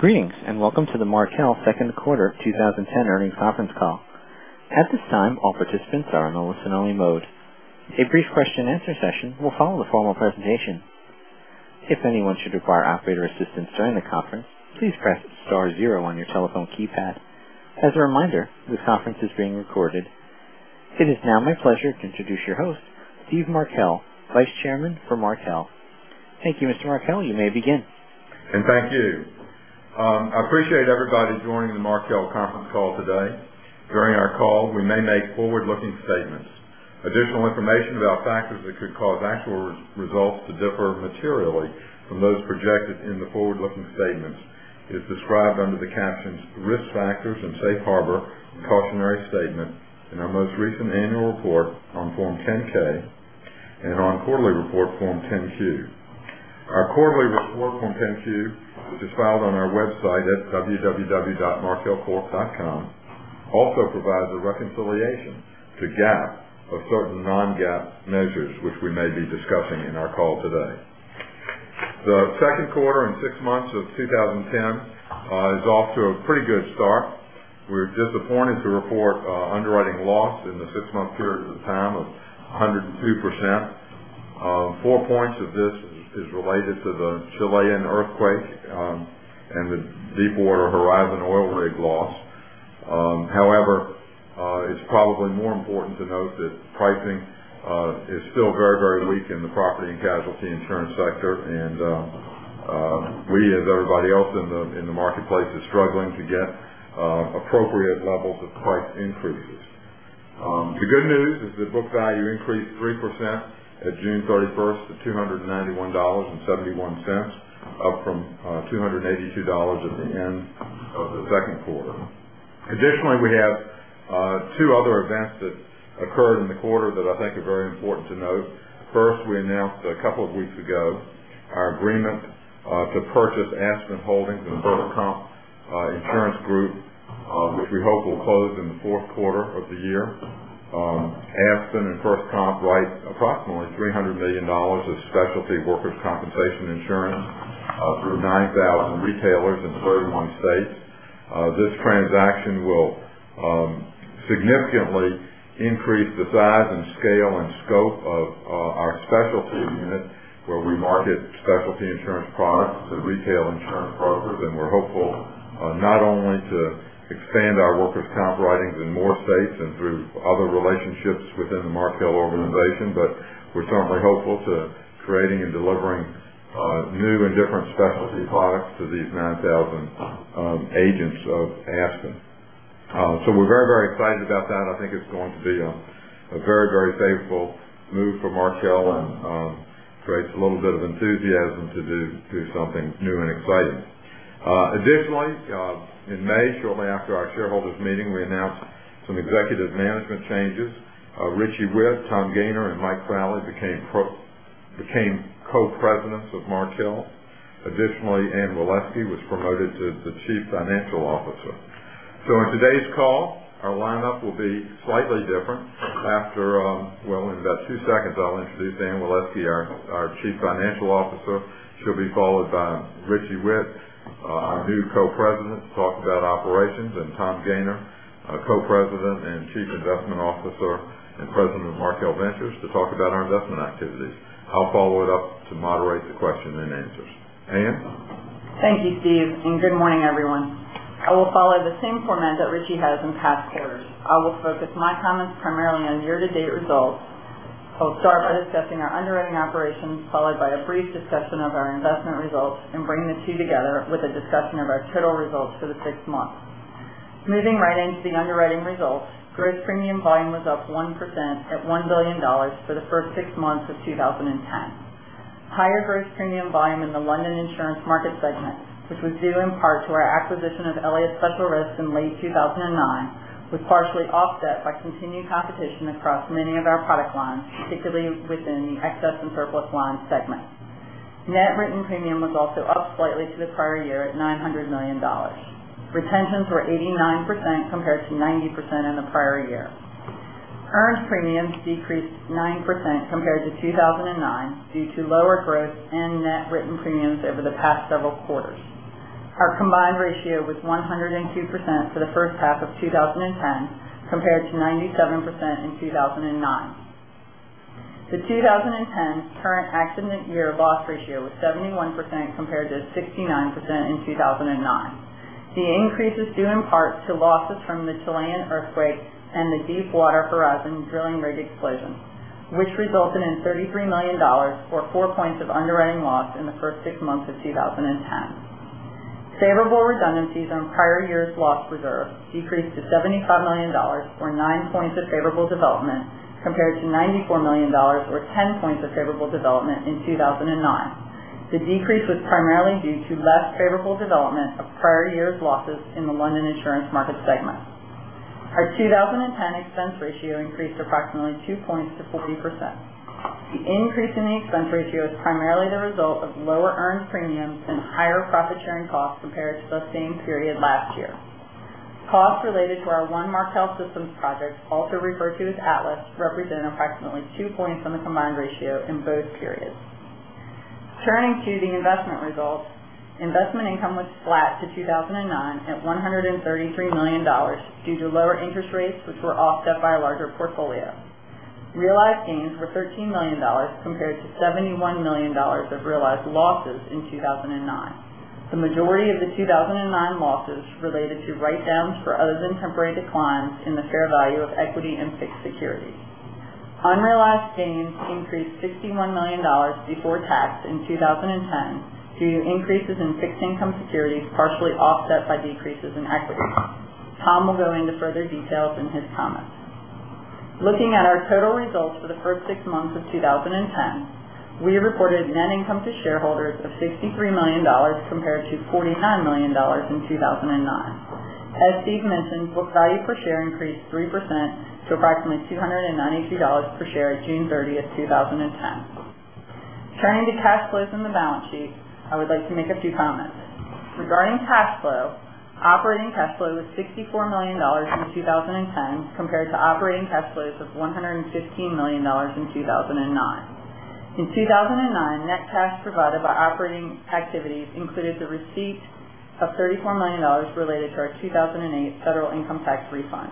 Greetings, welcome to the Markel second quarter 2010 earnings conference call. At this time, all participants are in listen-only mode. A brief question-and-answer session will follow the formal presentation. If anyone should require operator assistance during the conference, please press star zero on your telephone keypad. As a reminder, this conference is being recorded. It is now my pleasure to introduce your host, Steve Markel, Vice Chairman for Markel. Thank you, Mr. Markel. You may begin. Thank you. I appreciate everybody joining the Markel conference call today. During our call, we may make forward-looking statements. Additional information about factors that could cause actual results to differ materially from those projected in the forward-looking statements is described under the captions "Risk Factors" and "Safe Harbor" and "Cautionary Statement" in our most recent annual report on Form 10-K and on quarterly report Form 10-Q. Our quarterly report Form 10-Q, which is filed on our website at www.markelcorp.com, also provides a reconciliation to GAAP of certain non-GAAP measures, which we may be discussing in our call today. The second quarter and six months of 2010 is off to a pretty good start. We're disappointed to report underwriting loss in the six-month period to the time of 102%. Four points of this is related to the Chilean earthquake and the Deepwater Horizon oil rig loss. However, it's probably more important to note that pricing is still very weak in the property and casualty insurance sector. We, as everybody else in the marketplace, are struggling to get appropriate levels of price increases. The good news is that book value increased 3% at June 30th to $291.71, up from $282 at the end of the second quarter. Additionally, we have two other events that occurred in the quarter that I think are very important to note. First, we announced a couple of weeks ago our agreement to purchase Aspen Holdings and FirstComp Insurance Group, which we hope will close in the fourth quarter of the year. Aspen and FirstComp write approximately $300 million of specialty workers' compensation insurance through 9,000 retailers in 31 states. This transaction will significantly increase the size and scale and scope of our specialty unit, where we market specialty insurance products to retail insurance brokers. We're hopeful not only to expand our workers' comp writings in more states and through other relationships within the Markel organization, but we're certainly hopeful to creating and delivering new and different specialty products to these 9,000 agents of Aspen. We're very excited about that. I think it's going to be a very favorable move for Markel and creates a little bit of enthusiasm to do something new and exciting. Additionally, in May, shortly after our shareholders meeting, we announced some executive management changes. Richie Whitt, Tom Gayner, and Mike Frawley became Co-Presidents of Markel. Additionally, Anne Waleski was promoted to the Chief Financial Officer. In today's call, our lineup will be slightly different. After, well, in about two seconds, I'll introduce Anne Waleski, our Chief Financial Officer. She'll be followed by Richie Whitt, our new Co-President, to talk about operations, and Tom Gayner, Co-President and Chief Investment Officer and President of Markel Ventures, to talk about our investment activity. I'll follow it up to moderate the question and answers. Anne? Thank you, Steve, good morning, everyone. I will follow the same format that Richie has in past quarters. I will focus my comments primarily on year-to-date results. I'll start by discussing our underwriting operations, followed by a brief discussion of our investment results, and bring the two together with a discussion of our total results for the six months. Moving right into the underwriting results, gross premium volume was up 1% at $1 billion for the first six months of 2010. Higher gross premium volume in the London insurance market segment, which was due in part to our acquisition of Elliott Special Risks in late 2009, was partially offset by continued competition across many of our product lines, particularly within the Excess and Surplus Lines segment. Net written premium was also up slightly to the prior year at $900 million. Retentions were 89% compared to 90% in the prior year. Earned premiums decreased 9% compared to 2009 due to lower growth in net written premiums over the past several quarters. Our combined ratio was 102% for the first half of 2010, compared to 97% in 2009. The 2010 current accident year loss ratio was 71% compared to 69% in 2009. The increase is due in part to losses from the Chilean earthquake and the Deepwater Horizon drilling rig explosion, which resulted in $33 million or four points of underwriting loss in the first six months of 2010. Favorable redundancies on prior years' loss reserve decreased to $75 million, or nine points of favorable development, compared to $94 million, or 10 points of favorable development in 2009. The decrease was primarily due to less favorable development of prior years' losses in the London insurance market segment. Our 2010 expense ratio increased approximately two points to 40%. The increase in the expense ratio is primarily the result of lower earned premiums and higher profit-sharing costs compared to the same period last year. Costs related to our One Markel Systems project, also referred to as Atlas, represent approximately two points on the combined ratio in both periods. Turning to the investment results, investment income was flat to 2009 at $133 million due to lower interest rates, which were offset by a larger portfolio. Realized gains were $13 million compared to $71 million of realized losses in 2009. The majority of the 2009 losses related to write-downs for other-than-temporary declines in the fair value of equity and fixed securities. Unrealized gains increased $61 million before tax in 2010 due to increases in fixed income securities, partially offset by decreases in equity. Tom will go into further details in his comments. Looking at our total results for the first six months of 2010, we reported net income to shareholders of $63 million compared to $49 million in 2009. As Steve mentioned, book value per share increased 3% to approximately $292 per share at June 30th, 2010. Turning to cash flows in the balance sheet, I would like to make a few comments. Regarding cash flow, operating cash flow was $64 million in 2010 compared to operating cash flows of $115 million in 2009. In 2009, net cash provided by operating activities included the receipt of $34 million related to our 2008 federal income tax refund.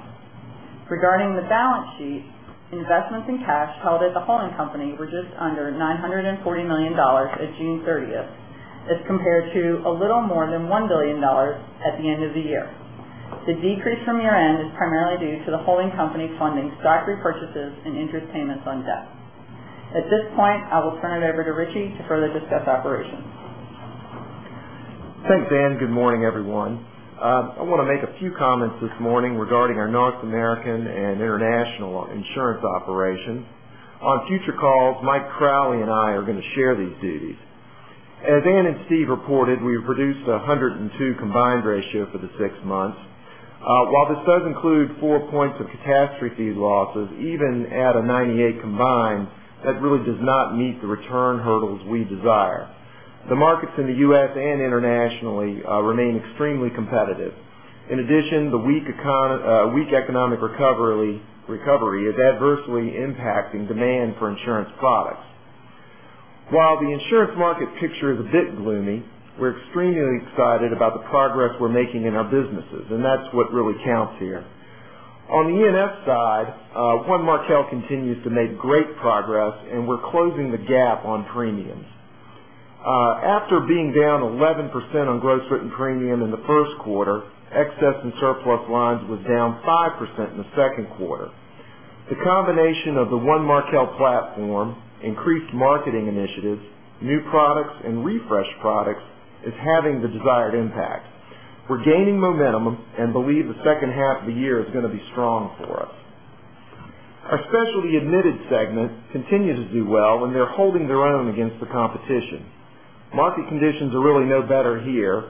Regarding the balance sheet, investments in cash held at the holding company were just under $940 million at June 30th, as compared to a little more than $1 billion at the end of the year. The decrease from year-end is primarily due to the holding company funding stock repurchases and interest payments on debt. At this point, I will turn it over to Richie to further discuss operations. Thanks, Anne. Good morning, everyone. I want to make a few comments this morning regarding our North American and international insurance operations. On future calls, Mike Crowley and I are going to share these duties. As Anne and Steve reported, we produced 102 combined ratio for the six months. While this does include four points of catastrophe losses, even at a 98 combined, that really does not meet the return hurdles we desire. The markets in the U.S. and internationally remain extremely competitive. In addition, the weak economic recovery is adversely impacting demand for insurance products. While the insurance market picture is a bit gloomy, we're extremely excited about the progress we're making in our businesses, and that's what really counts here. On the E&S side, One Markel continues to make great progress, and we're closing the gap on premiums. After being down 11% on gross written premium in the first quarter, Excess and Surplus lines was down 5% in the second quarter. The combination of the One Markel platform, increased marketing initiatives, new products, and refreshed products is having the desired impact. We're gaining momentum and believe the second half of the year is going to be strong for us. Our specialty admitted segment continues to do well, and they're holding their own against the competition. Market conditions are really no better here,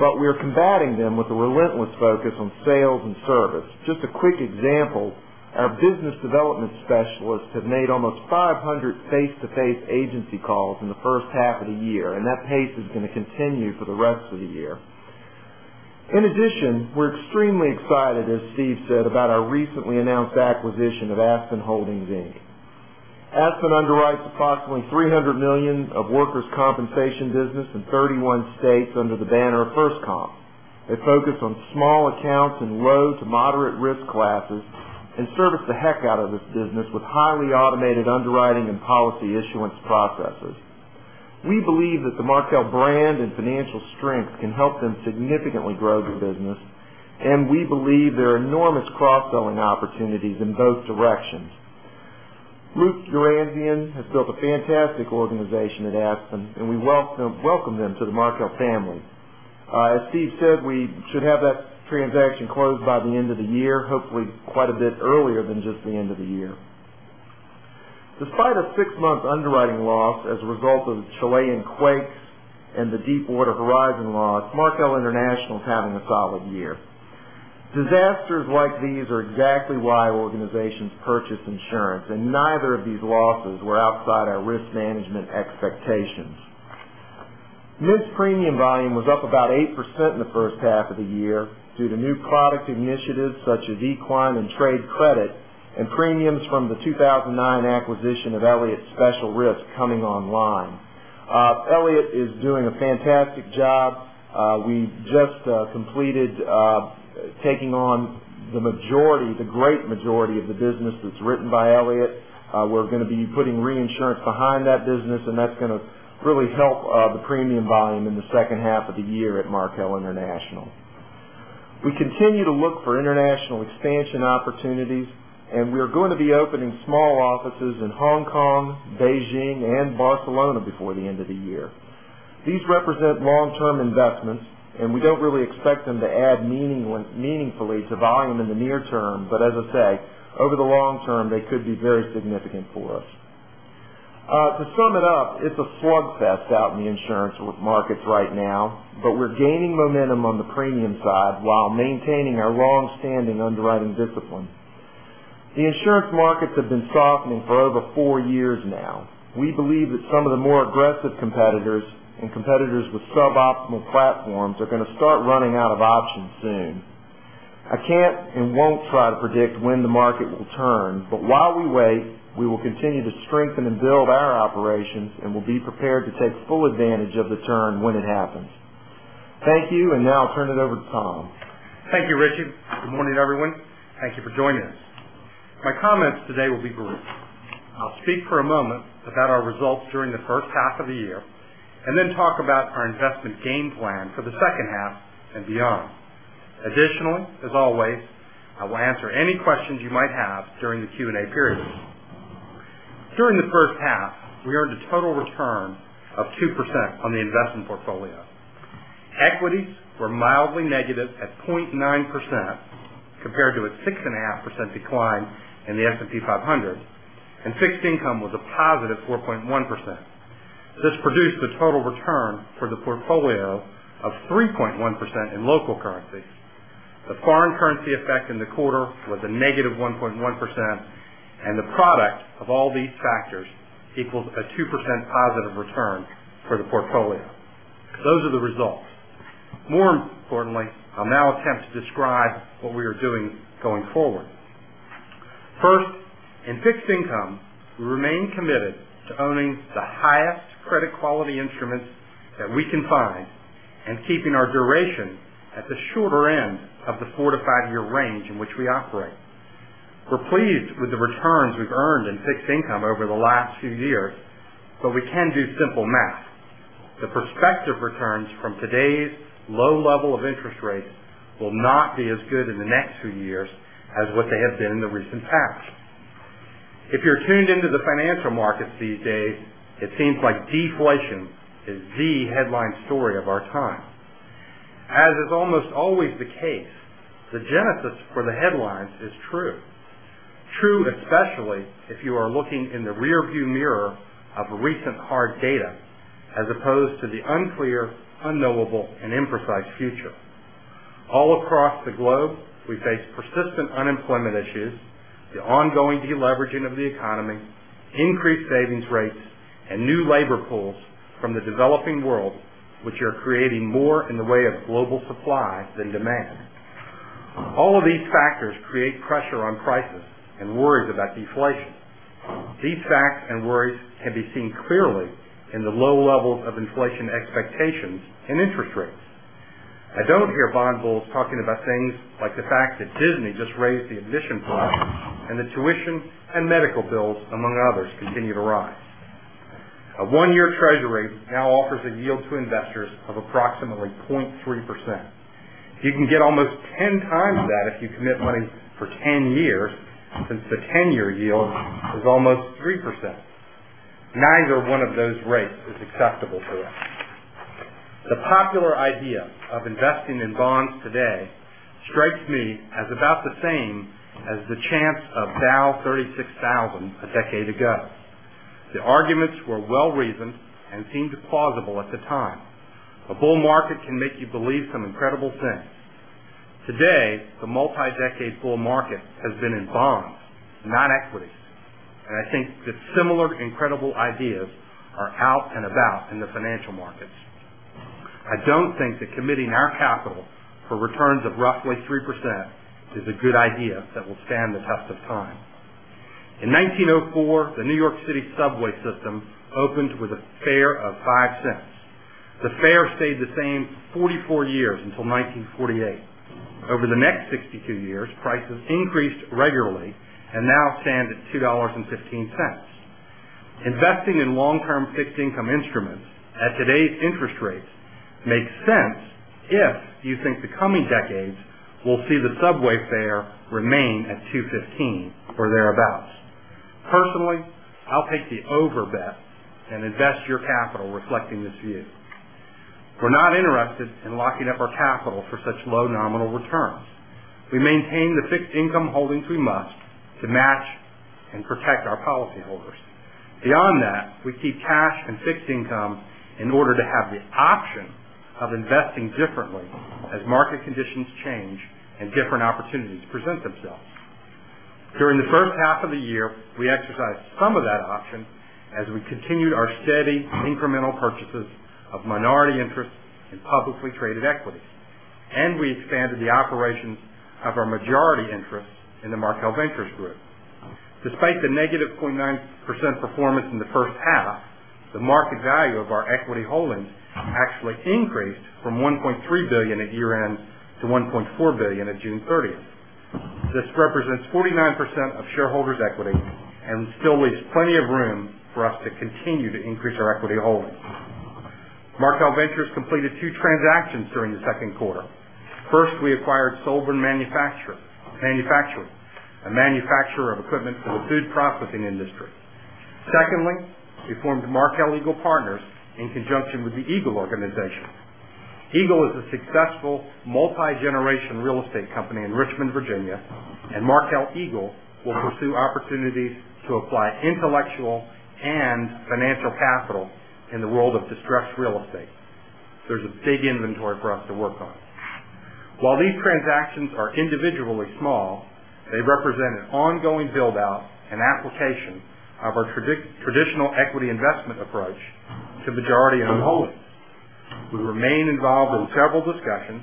but we're combating them with a relentless focus on sales and service. Just a quick example, our business development specialists have made almost 500 face-to-face agency calls in the first half of the year, and that pace is going to continue for the rest of the year. In addition, we're extremely excited, as Steve said, about our recently announced acquisition of Aspen Holdings, Inc. Aspen underwrites approximately $300 million of workers' compensation business in 31 states under the banner of FirstComp. They focus on small accounts and low to moderate risk classes and service the heck out of this business with highly automated underwriting and policy issuance processes. We believe that the Markel brand and financial strength can help them significantly grow the business. We believe there are enormous cross-selling opportunities in both directions. Luke Guinian has built a fantastic organization at Aspen. We welcome them to the Markel family. As Steve said, we should have that transaction closed by the end of the year, hopefully quite a bit earlier than just the end of the year. Despite a six-month underwriting loss as a result of the Chilean quakes and the Deepwater Horizon loss, Markel International is having a solid year. Disasters like these are exactly why organizations purchase insurance. Neither of these losses were outside our risk management expectations. Mid premium volume was up about 8% in the first half of the year due to new product initiatives such as decline in trade credit and premiums from the 2009 acquisition of Elliott Special Risks coming online. Elliott is doing a fantastic job. We've just completed taking on the great majority of the business that's written by Elliott. We're going to be putting reinsurance behind that business. That's going to really help the premium volume in the second half of the year at Markel International. We continue to look for international expansion opportunities. We are going to be opening small offices in Hong Kong, Beijing, and Barcelona before the end of the year. These represent long-term investments. We don't really expect them to add meaningfully to volume in the near term, but as I say, over the long term, they could be very significant for us. To sum it up, it's a slugfest out in the insurance markets right now, but we're gaining momentum on the premium side while maintaining our long-standing underwriting discipline. The insurance markets have been softening for over four years now. We believe that some of the more aggressive competitors and competitors with suboptimal platforms are going to start running out of options soon. I can't and won't try to predict when the market will turn, but while we wait, we will continue to strengthen and build our operations. We will be prepared to take full advantage of the turn when it happens. Thank you. Now I'll turn it over to Tom. Thank you, Richard. Good morning, everyone. Thank you for joining us. My comments today will be brief. I'll speak for a moment about our results during the first half of the year. Then talk about our investment game plan for the second half and beyond. Additionally, as always, I will answer any questions you might have during the Q&A period. During the first half, we earned a total return of 2% on the investment portfolio. Equities were mildly negative at 0.9% compared to a 6.5% decline in the S&P 500. Fixed income was a positive 4.1%. This produced a total return for the portfolio of 3.1% in local currency. The foreign currency effect in the quarter was a negative 1.1%. The product of all these factors equals a 2% positive return for the portfolio. Those are the results. More importantly, I'll now attempt to describe what we are doing going forward. First, in fixed income, we remain committed to owning the highest credit quality instruments that we can find and keeping our duration at the shorter end of the four to five-year range in which we operate. We're pleased with the returns we've earned in fixed income over the last few years, but we can do simple math. The prospective returns from today's low level of interest rates will not be as good in the next few years as what they have been in the recent past. If you're tuned into the financial markets these days, it seems like deflation is the headline story of our time. As is almost always the case, the genesis for the headlines is true. True especially if you are looking in the rearview mirror of recent hard data as opposed to the unclear, unknowable, and imprecise future. All across the globe, we face persistent unemployment issues, the ongoing deleveraging of the economy, increased savings rates, and new labor pools from the developing world, which are creating more in the way of global supply than demand. All of these factors create pressure on prices and worries about deflation. These facts and worries can be seen clearly in the low levels of inflation expectations and interest rates. I don't hear bond bulls talking about things like the fact that Disney just raised the admission price and that tuition and medical bills, among others, continue to rise. A one-year Treasury now offers a yield to investors of approximately 0.3%. You can get almost 10 times that if you commit money for 10 years since the 10-year yield is almost 3%. Neither one of those rates is acceptable to us. The popular idea of investing in bonds today strikes me as about the same as the chance of Dow 36,000 a decade ago. The arguments were well-reasoned and seemed plausible at the time. A bull market can make you believe some incredible things. Today, the multi-decade bull market has been in bonds, not equities, and I think that similar incredible ideas are out and about in the financial markets. I don't think that committing our capital for returns of roughly 3% is a good idea that will stand the test of time. In 1904, the New York City subway system opened with a fare of $0.05. The fare stayed the same for 44 years until 1948. Over the next 62 years, prices increased regularly and now stand at $2.15. Investing in long-term fixed income instruments at today's interest rates makes sense if you think the coming decades will see the subway fare remain at $2.15 or thereabout. Personally, I'll take the over bet and invest your capital reflecting this view. We're not interested in locking up our capital for such low nominal returns. We maintain the fixed income holdings we must to match and protect our policyholders. Beyond that, we keep cash and fixed income in order to have the option of investing differently as market conditions change and different opportunities present themselves. During the first half of the year, we exercised some of that option as we continued our steady incremental purchases of minority interests in publicly traded equities, and we expanded the operations of our majority interest in the Markel Ventures, Inc. Despite the negative 0.9% performance in the first half, the market value of our equity holdings actually increased from $1.3 billion at year-end to $1.4 billion at June 30th. This represents 49% of shareholders' equity and still leaves plenty of room for us to continue to increase our equity holdings. Markel Ventures completed two transactions during the second quarter. First, we acquired Solbern Manufacturing, a manufacturer of equipment for the food processing industry. Secondly, we formed Markel Eagle Partners in conjunction with the Eagle Organization. Eagle is a successful multi-generation real estate company in Richmond, Virginia, and Markel Eagle will pursue opportunities to apply intellectual and financial capital in the world of distressed real estate. There's a big inventory for us to work on. While these transactions are individually small, they represent an ongoing build-out and application of our traditional equity investment approach to majority-owned holdings. We remain involved in several discussions,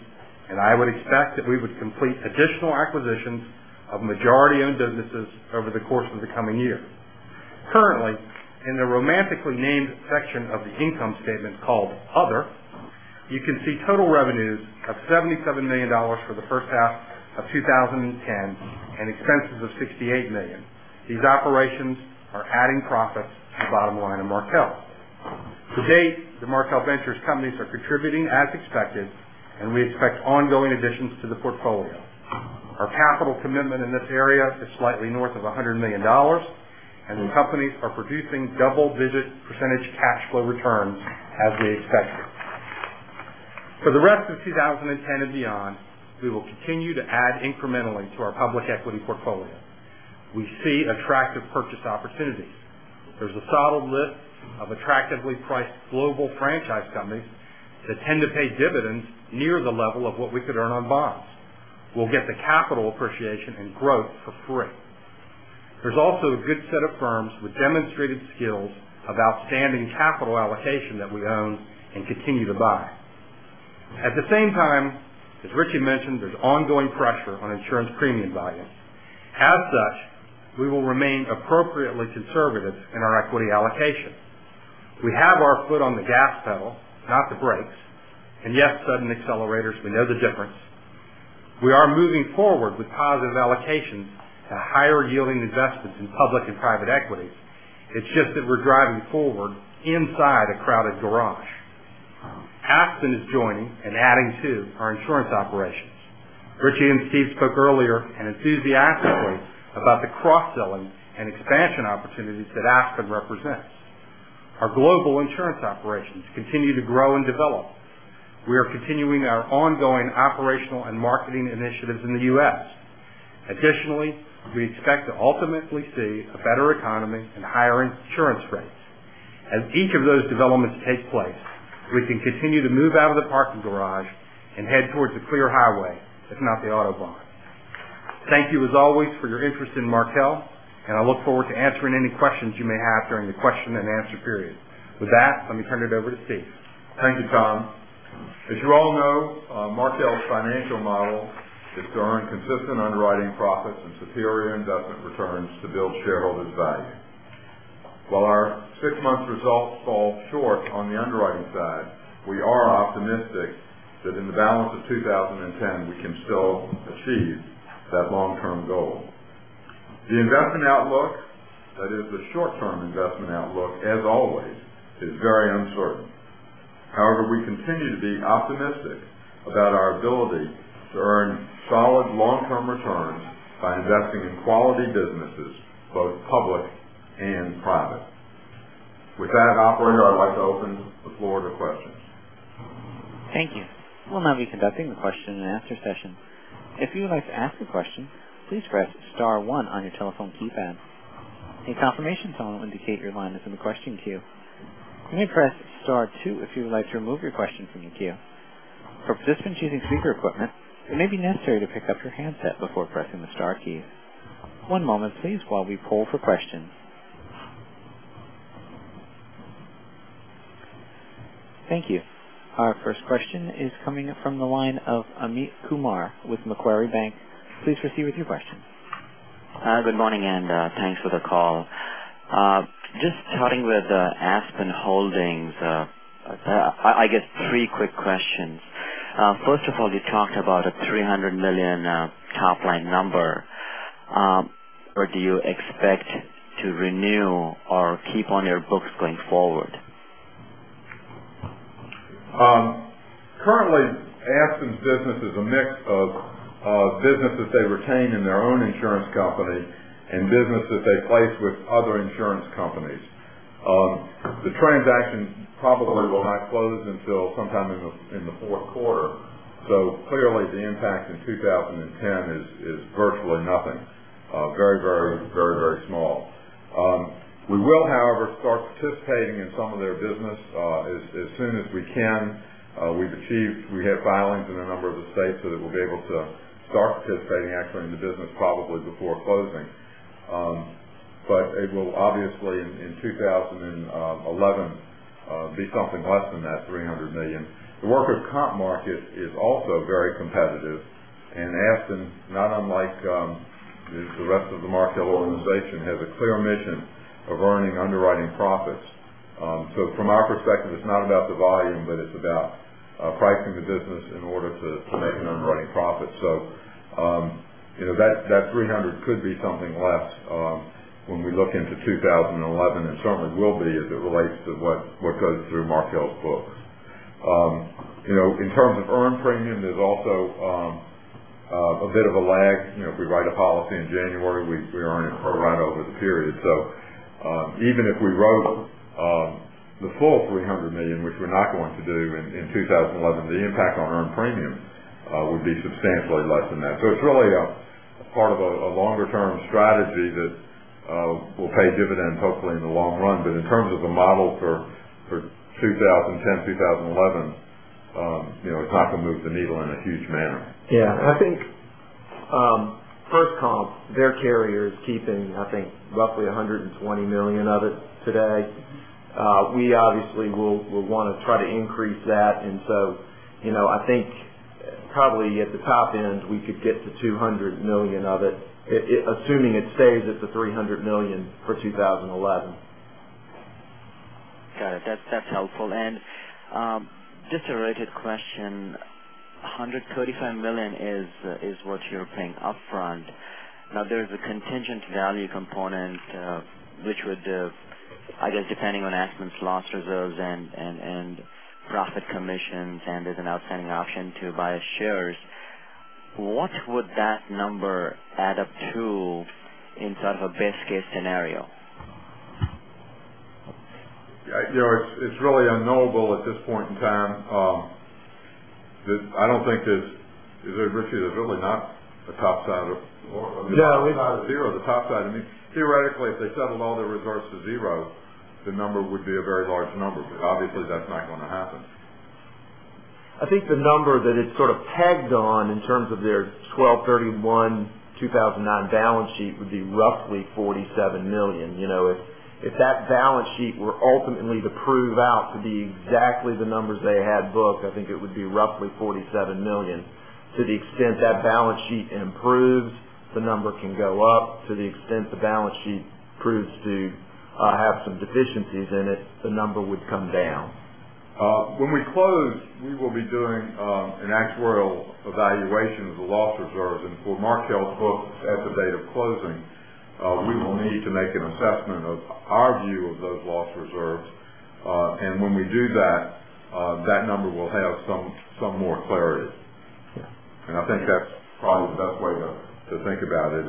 and I would expect that we would complete additional acquisitions of majority-owned businesses over the course of the coming year. Currently, in the romantically named section of the income statement called Other, you can see total revenues of $77 million for the first half of 2010 and expenses of $68 million. These operations are adding profits to the bottom line of Markel. To date, the Markel Ventures companies are contributing as expected, and we expect ongoing additions to the portfolio. Our capital commitment in this area is slightly north of $100 million, and the companies are producing double-digit percentage cash flow returns as we expected. For the rest of 2010 and beyond, we will continue to add incrementally to our public equity portfolio. We see attractive purchase opportunities. There's a solid list of attractively priced global franchise companies that tend to pay dividends near the level of what we could earn on bonds. We'll get the capital appreciation and growth for free. There's also a good set of firms with demonstrated skills of outstanding capital allocation that we own and continue to buy. At the same time, as Richie mentioned, there's ongoing pressure on insurance premium volumes. As such, we will remain appropriately conservative in our equity allocation. We have our foot on the gas pedal, not the brakes, and yes, sudden accelerators, we know the difference. We are moving forward with positive allocations to higher yielding investments in public and private equity. It's just that we're driving forward inside a crowded garage. Aspen is joining and adding to our insurance operations. Richie and Steve spoke earlier and enthusiastically about the cross-selling and expansion opportunities that Aspen represents. Our global insurance operations continue to grow and develop. We are continuing our ongoing operational and marketing initiatives in the U.S. Additionally, we expect to ultimately see a better economy and higher insurance rates. As each of those developments takes place, we can continue to move out of the parking garage and head towards a clear highway, if not the autobahn. Thank you as always for your interest in Markel, and I look forward to answering any questions you may have during the question and answer period. With that, let me turn it over to Steve. Thank you, Tom. As you all know, Markel's financial model is to earn consistent underwriting profits and superior investment returns to build shareholders' value. While our 6 months results fall short on the underwriting side, we are optimistic that in the balance of 2010, we can still achieve that long-term goal. The investment outlook, that is the short-term investment outlook, as always, is very uncertain. However, we continue to be optimistic about our ability to earn solid long-term returns by investing in quality businesses, both public and private. With that, operator, I'd like to open the floor to questions. Thank you. We'll now be conducting the question and answer session. If you would like to ask a question, please press star one on your telephone keypad. A confirmation tone will indicate your line is in the question queue. You may press star two if you would like to remove your question from the queue. For participants using speaker equipment, it may be necessary to pick up your handset before pressing the star key. One moment, please, while we poll for questions. Thank you. Our first question is coming from the line of Amit Kumar with Macquarie Group. Please proceed with your question. Good morning. Thanks for the call. Just starting with Aspen Holdings, I guess three quick questions. First of all, you talked about a $300 million top-line number. Do you expect to renew or keep on your books going forward? Currently, Aspen's business is a mix of business that they retain in their own insurance company and business that they place with other insurance companies. The transaction probably will not close until sometime in the fourth quarter. So clearly, the impact in 2010 is virtually nothing. Very small. We will, however, start participating in some of their business as soon as we can. We have filings in a number of the states that we'll be able to start participating actually in the business probably before closing. But it will obviously, in 2011, be something less than that $300 million. The workers' comp market is also very competitive, and Aspen, not unlike the rest of the Markel organization, has a clear mission of earning underwriting profits. So from our perspective, it's not about the volume, but it's about pricing the business in order to make an underwriting profit. That 300 could be something less when we look into 2011, some of it will be as it relates to what goes through Markel's books. In terms of earned premium, there's also a bit of a lag. If we write a policy in January, we earn it pro rata over the period. Even if we wrote the full $300 million, which we're not going to do in 2011, the impact on earned premium would be substantially less than that. It's really a part of a longer-term strategy that will pay dividends, hopefully, in the long run. In terms of the model for 2010, 2011, it's not going to move the needle in a huge manner. Yeah. I think FirstComp, their carrier is keeping, I think, roughly $120 million of it today. We obviously will want to try to increase that. I think probably at the top end, we could get to $200 million of it, assuming it stays at the $300 million for 2011. Got it. That's helpful. Just a related question, $135 million is what you're paying upfront. There's a contingent value component, which would, I guess, depending on estimates, loss reserves, and profit commissions, and there's an outstanding option to buy shares. What would that number add up to in sort of a best case scenario? It's really unknowable at this point in time. Richie, there's really not a top side of it. No. I mean, other than zero at the top side. I mean, theoretically, if they settled all their reserves to zero, the number would be a very large number. Obviously, that's not going to happen. I think the number that it's sort of pegged on in terms of their 12/31/2009 balance sheet would be roughly $47 million. If that balance sheet were ultimately to prove out to be exactly the numbers they had booked, I think it would be roughly $47 million. To the extent that balance sheet improves, the number can go up. To the extent the balance sheet proves to have some deficiencies in it, the number would come down. When we close, we will be doing an actuarial evaluation of the loss reserves. For Markel's books at the date of closing, we will need to make an assessment of our view of those loss reserves. When we do that number will have some more clarity. Yeah. I think that's probably the best way to think about it.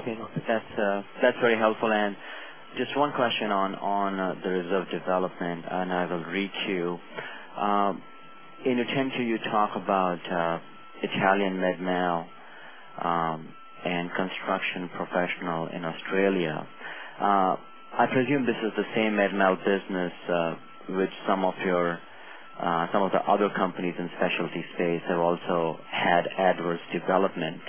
Okay. That's very helpful. Just one question on the reserve development, and I will read to you. In your 10-Q, you talk about Italian med mal and Construction Professional in Australia. I presume this is the same med mal business, which some of the other companies in specialty space have also had adverse development.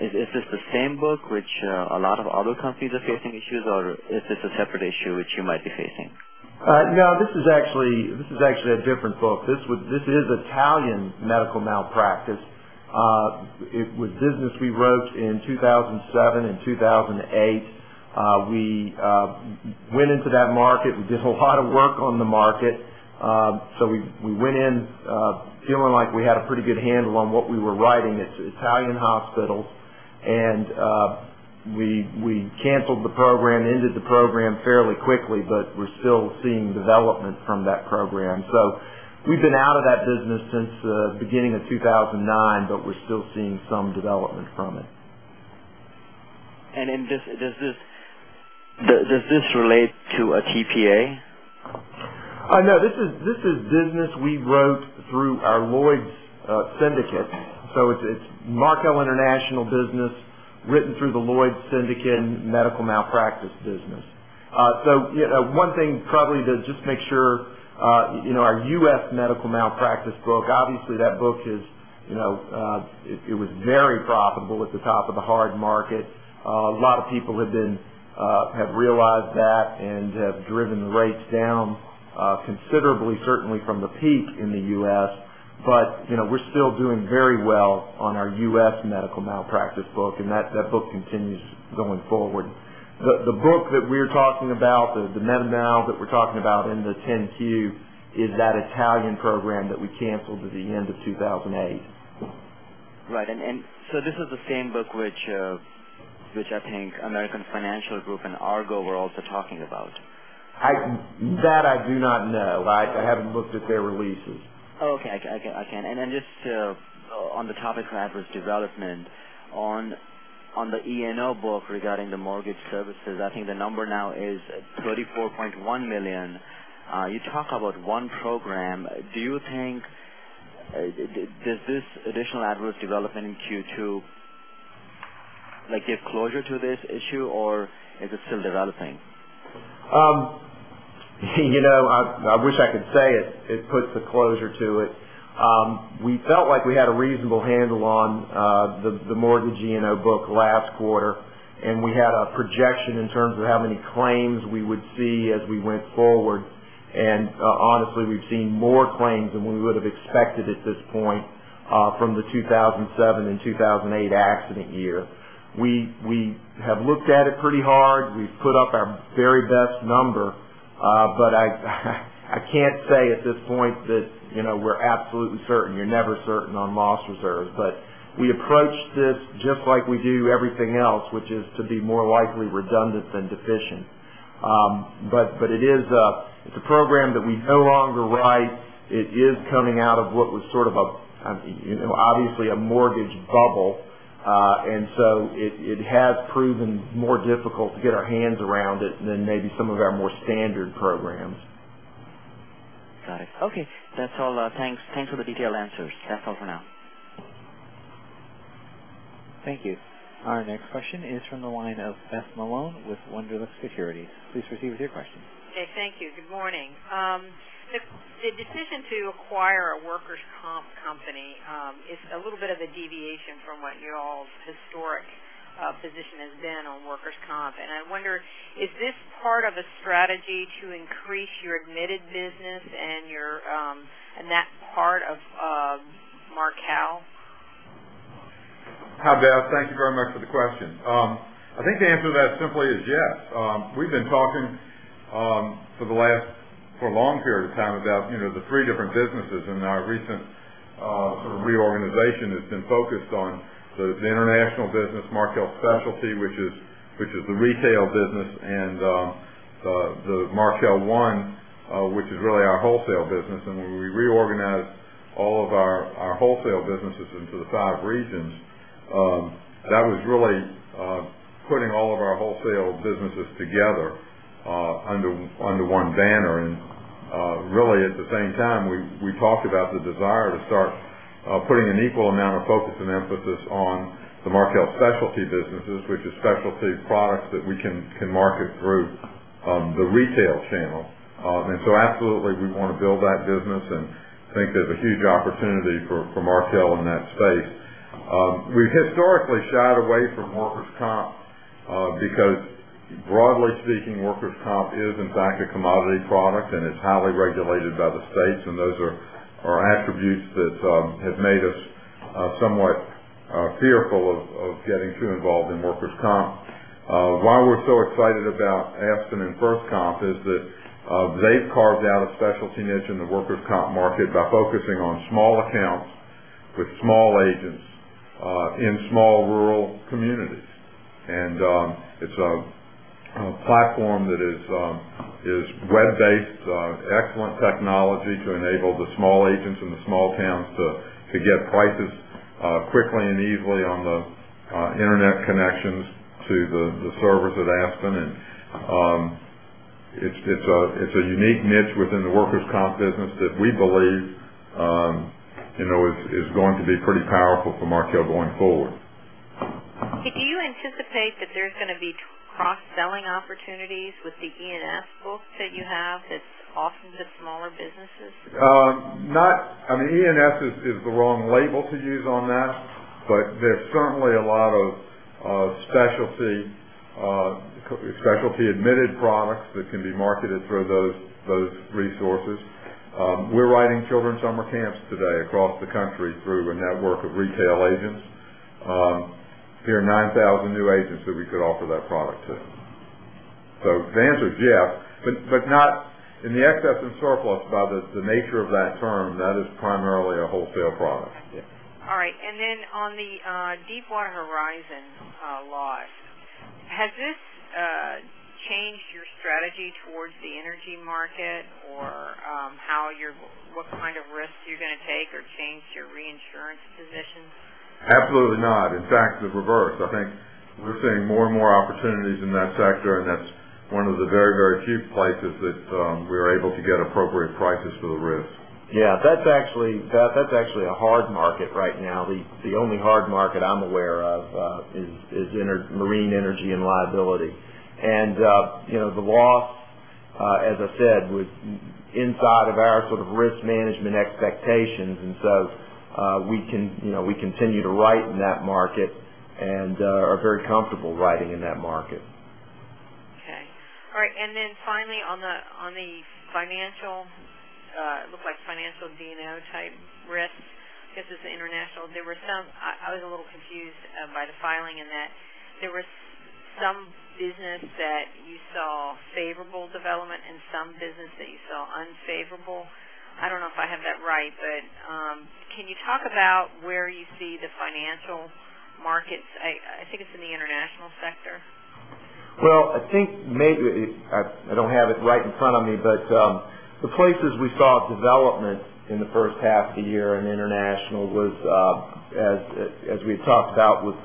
Is this the same book which a lot of other companies are facing issues, or is this a separate issue which you might be facing? This is actually a different book. This is Italian medical malpractice. It was business we wrote in 2007 and 2008. We went into that market. We did a lot of work on the market. We went in feeling like we had a pretty good handle on what we were writing. It's Italian hospitals, and we canceled the program, ended the program fairly quickly, but we're still seeing development from that program. We've been out of that business since the beginning of 2009, but we're still seeing some development from it. Does this relate to a TPA? This is business we wrote through our Lloyd's syndicate. It's Markel International business written through the Lloyd's syndicate and medical malpractice business. One thing probably to just make sure, our U.S. medical malpractice book, obviously that book it was very profitable at the top of the hard market. A lot of people have realized that and have driven the rates down considerably, certainly from the peak in the U.S. We're still doing very well on our U.S. medical malpractice book, and that book continues going forward. The book that we're talking about, the med mal that we're talking about in the 10-Q, is that Italian program that we canceled at the end of 2008. Right. This is the same book which I think American Financial Group and Argo were also talking about. That I do not know. I haven't looked at their releases. Okay. Just on the topic of adverse development. On the E&O book regarding the mortgage services, I think the number now is $34.1 million. You talk about one program. Does this additional adverse development in Q2 give closure to this issue, or is it still developing? I wish I could say it puts a closure to it. We felt like we had a reasonable handle on the mortgage E&O book last quarter, and we had a projection in terms of how many claims we would see as we went forward. Honestly, we've seen more claims than we would have expected at this point from the 2007 and 2008 accident year. We have looked at it pretty hard. We've put up our very best number. I can't say at this point that we're absolutely certain. You're never certain on loss reserves. We approached this just like we do everything else, which is to be more likely redundant than deficient. It's a program that we no longer write. It is coming out of what was sort of, obviously a mortgage bubble. It has proven more difficult to get our hands around it than maybe some of our more standard programs. Got it. Okay. That's all. Thanks for the detailed answers. That's all for now. Thank you. Our next question is from the line of Beth Malone with Wunderlich Securities. Please proceed with your question. Okay, thank you. Good morning. The decision to acquire a workers' comp company is a little bit of a deviation from what your all's historic position has been on workers' comp. I wonder, is this part of a strategy to increase your admitted business and that part of Markel? Hi, Beth. Thank you very much for the question. I think the answer to that simply is yes. We've been talking for a long period of time about the three different businesses in our recent sort of reorganization that's been focused on the international business, Markel Specialty, which is the retail business, and One Markel, which is really our wholesale business. When we reorganized all of our wholesale businesses into the five regions, that was really putting all of our wholesale businesses together under one banner. Really, at the same time, we talked about the desire to start putting an equal amount of focus and emphasis on the Markel Specialty businesses, which is specialty products that we can market through the retail channel. Absolutely, we want to build that business and think there's a huge opportunity for Markel in that space. We've historically shied away from workers' comp because, broadly speaking, workers' comp is in fact a commodity product, and it's highly regulated by the states, and those are attributes that have made us somewhat fearful of getting too involved in workers' comp. Why we're so excited about Aspen and FirstComp is that they've carved out a specialty niche in the workers' comp market by focusing on small accounts with small agents in small rural communities. It's a platform that is web-based, excellent technology to enable the small agents in the small towns to get prices quickly and easily on the internet connections to the servers at Aspen. It's a unique niche within the workers' comp business that we believe is going to be pretty powerful for Markel going forward. Do you anticipate that there's going to be cross-selling opportunities with the E&S book that you have that's often the smaller businesses? E&S is the wrong label to use on that, but there's certainly a lot of specialty admitted products that can be marketed through those resources. We're writing children's summer camps today across the country through a network of retail agents. Near 9,000 new agents that we could offer that product to. The answer is yes, but not in the Excess and Surplus by the nature of that term. That is primarily a wholesale product. Yeah. All right. Then on the Deepwater Horizon loss, has this changed your strategy towards the energy market or what kind of risks you're going to take or changed your reinsurance positions? Absolutely not. In fact, the reverse. I think we're seeing more and more opportunities in that sector, and that's one of the very, very few places that we are able to get appropriate prices for the risks. Yeah, that's actually a hard market right now. The only hard market I'm aware of is marine energy and liability. The loss, as I said, was inside of our sort of risk management expectations. So we continue to write in that market and are very comfortable writing in that market. Okay. All right, then finally on the financial, it looked like financial D&O type risks because it's international. I was a little confused by the filing in that there was some business that you saw favorable development and some business that you saw unfavorable. I don't know if I have that right, but can you talk about where you see the financial markets? I think it's in the international sector. I don't have it right in front of me, but the places we saw development in the first half of the year in international was, as we had talked about with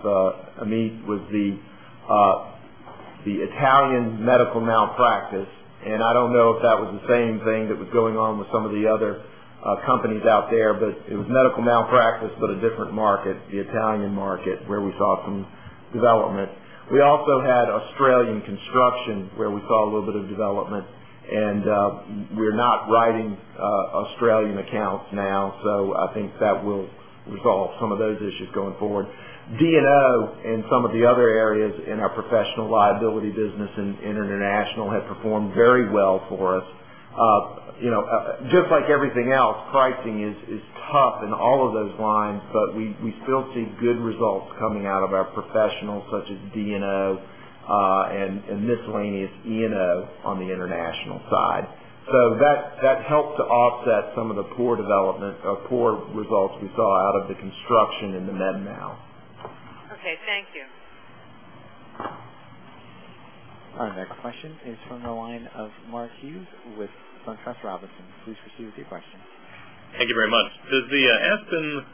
Amit, was the Italian medical malpractice. I don't know if that was the same thing that was going on with some of the other companies out there, but it was medical malpractice, but a different market, the Italian market, where we saw some development. We also had Australian construction where we saw a little bit of development. We're not writing Australian accounts now, I think that will resolve some of those issues going forward. D&O and some of the other areas in our professional liability business in international have performed very well for us. Just like everything else, pricing is tough in all of those lines. We still see good results coming out of our professionals such as D&O, and miscellaneous E&O on the international side. That helped to offset some of the poor development or poor results we saw out of the construction and the med mal. Okay. Thank you. Our next question is from the line of Mark Hughes with SunTrust Robinson. Please proceed with your question. Thank you very much. Does the Aspen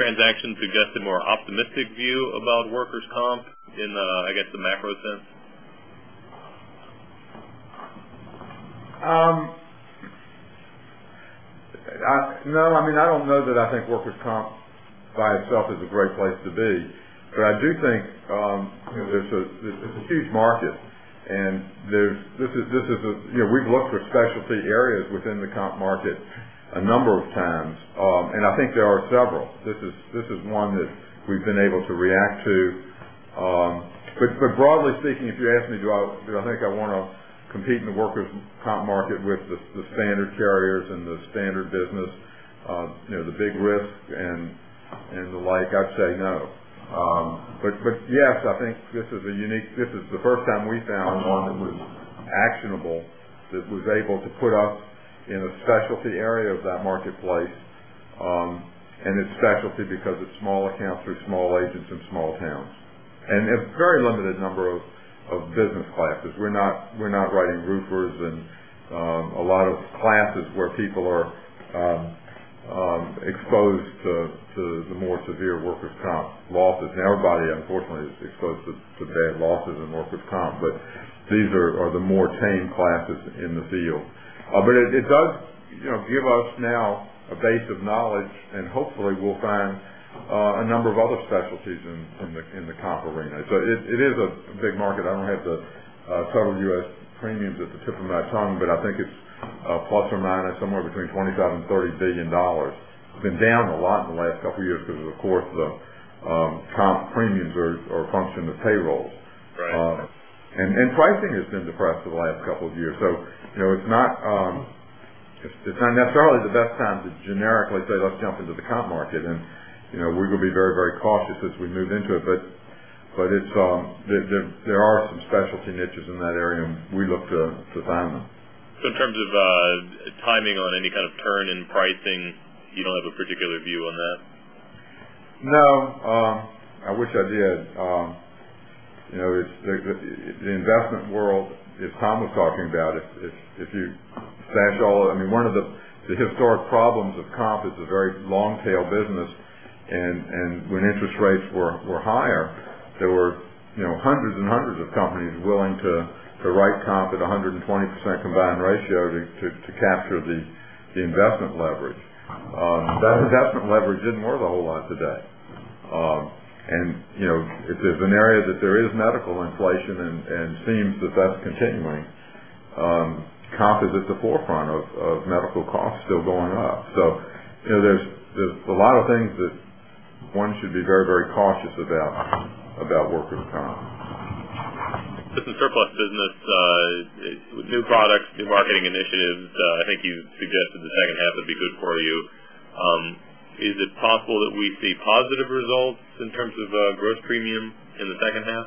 transaction suggest a more optimistic view about workers' comp in, I guess, the macro sense? No. I don't know that I think workers' comp by itself is a great place to be, but I do think it's a huge market. We've looked for specialty areas within the comp market a number of times, and I think there are several. This is one that we've been able to react to. Broadly speaking, if you ask me, do I think I want to compete in the workers' comp market with the standard carriers and the standard business, the big risk and the like, I'd say no. Yes, I think this is the first time we've found one that was actionable, that was able to put us in a specialty area of that marketplace. It's specialty because it's small accounts through small agents in small towns, and a very limited number of business classes. We're not writing roofers and a lot of classes where people are exposed to the more severe workers' comp losses. Now everybody, unfortunately, is exposed to bad losses in workers' comp, but these are the more tame classes in the field. It does give us now a base of knowledge, and hopefully we'll find a number of other specialties in the comp arena. It is a big market. I don't have the total U.S. premiums at the tip of my tongue, but I think it's plus or minus somewhere between $25 billion-$30 billion. It's been down a lot in the last couple of years because, of course, the comp premiums are a function of payrolls. Right. Pricing has been depressed for the last couple of years. It's not necessarily the best time to generically say, "Let's jump into the comp market," and we're going to be very cautious as we move into it. There are some specialty niches in that area, and we look to find them. In terms of timing on any kind of turn in pricing, you don't have a particular view on that? No. I wish I did. The investment world, as Tom was talking about, one of the historic problems of comp is a very long-tail business. When interest rates were higher, there were hundreds and hundreds of companies willing to write comp at 120% combined ratio to capture the investment leverage. That investment leverage isn't worth a whole lot today. If there's an area that there is medical inflation and seems that that's continuing, comp is at the forefront of medical costs still going up. There's a lot of things that one should be very cautious about workers' comp. Just in surplus business, with new products, new marketing initiatives, I think you suggested the second half would be good for you. Is it possible that we see positive results in terms of gross premium in the second half?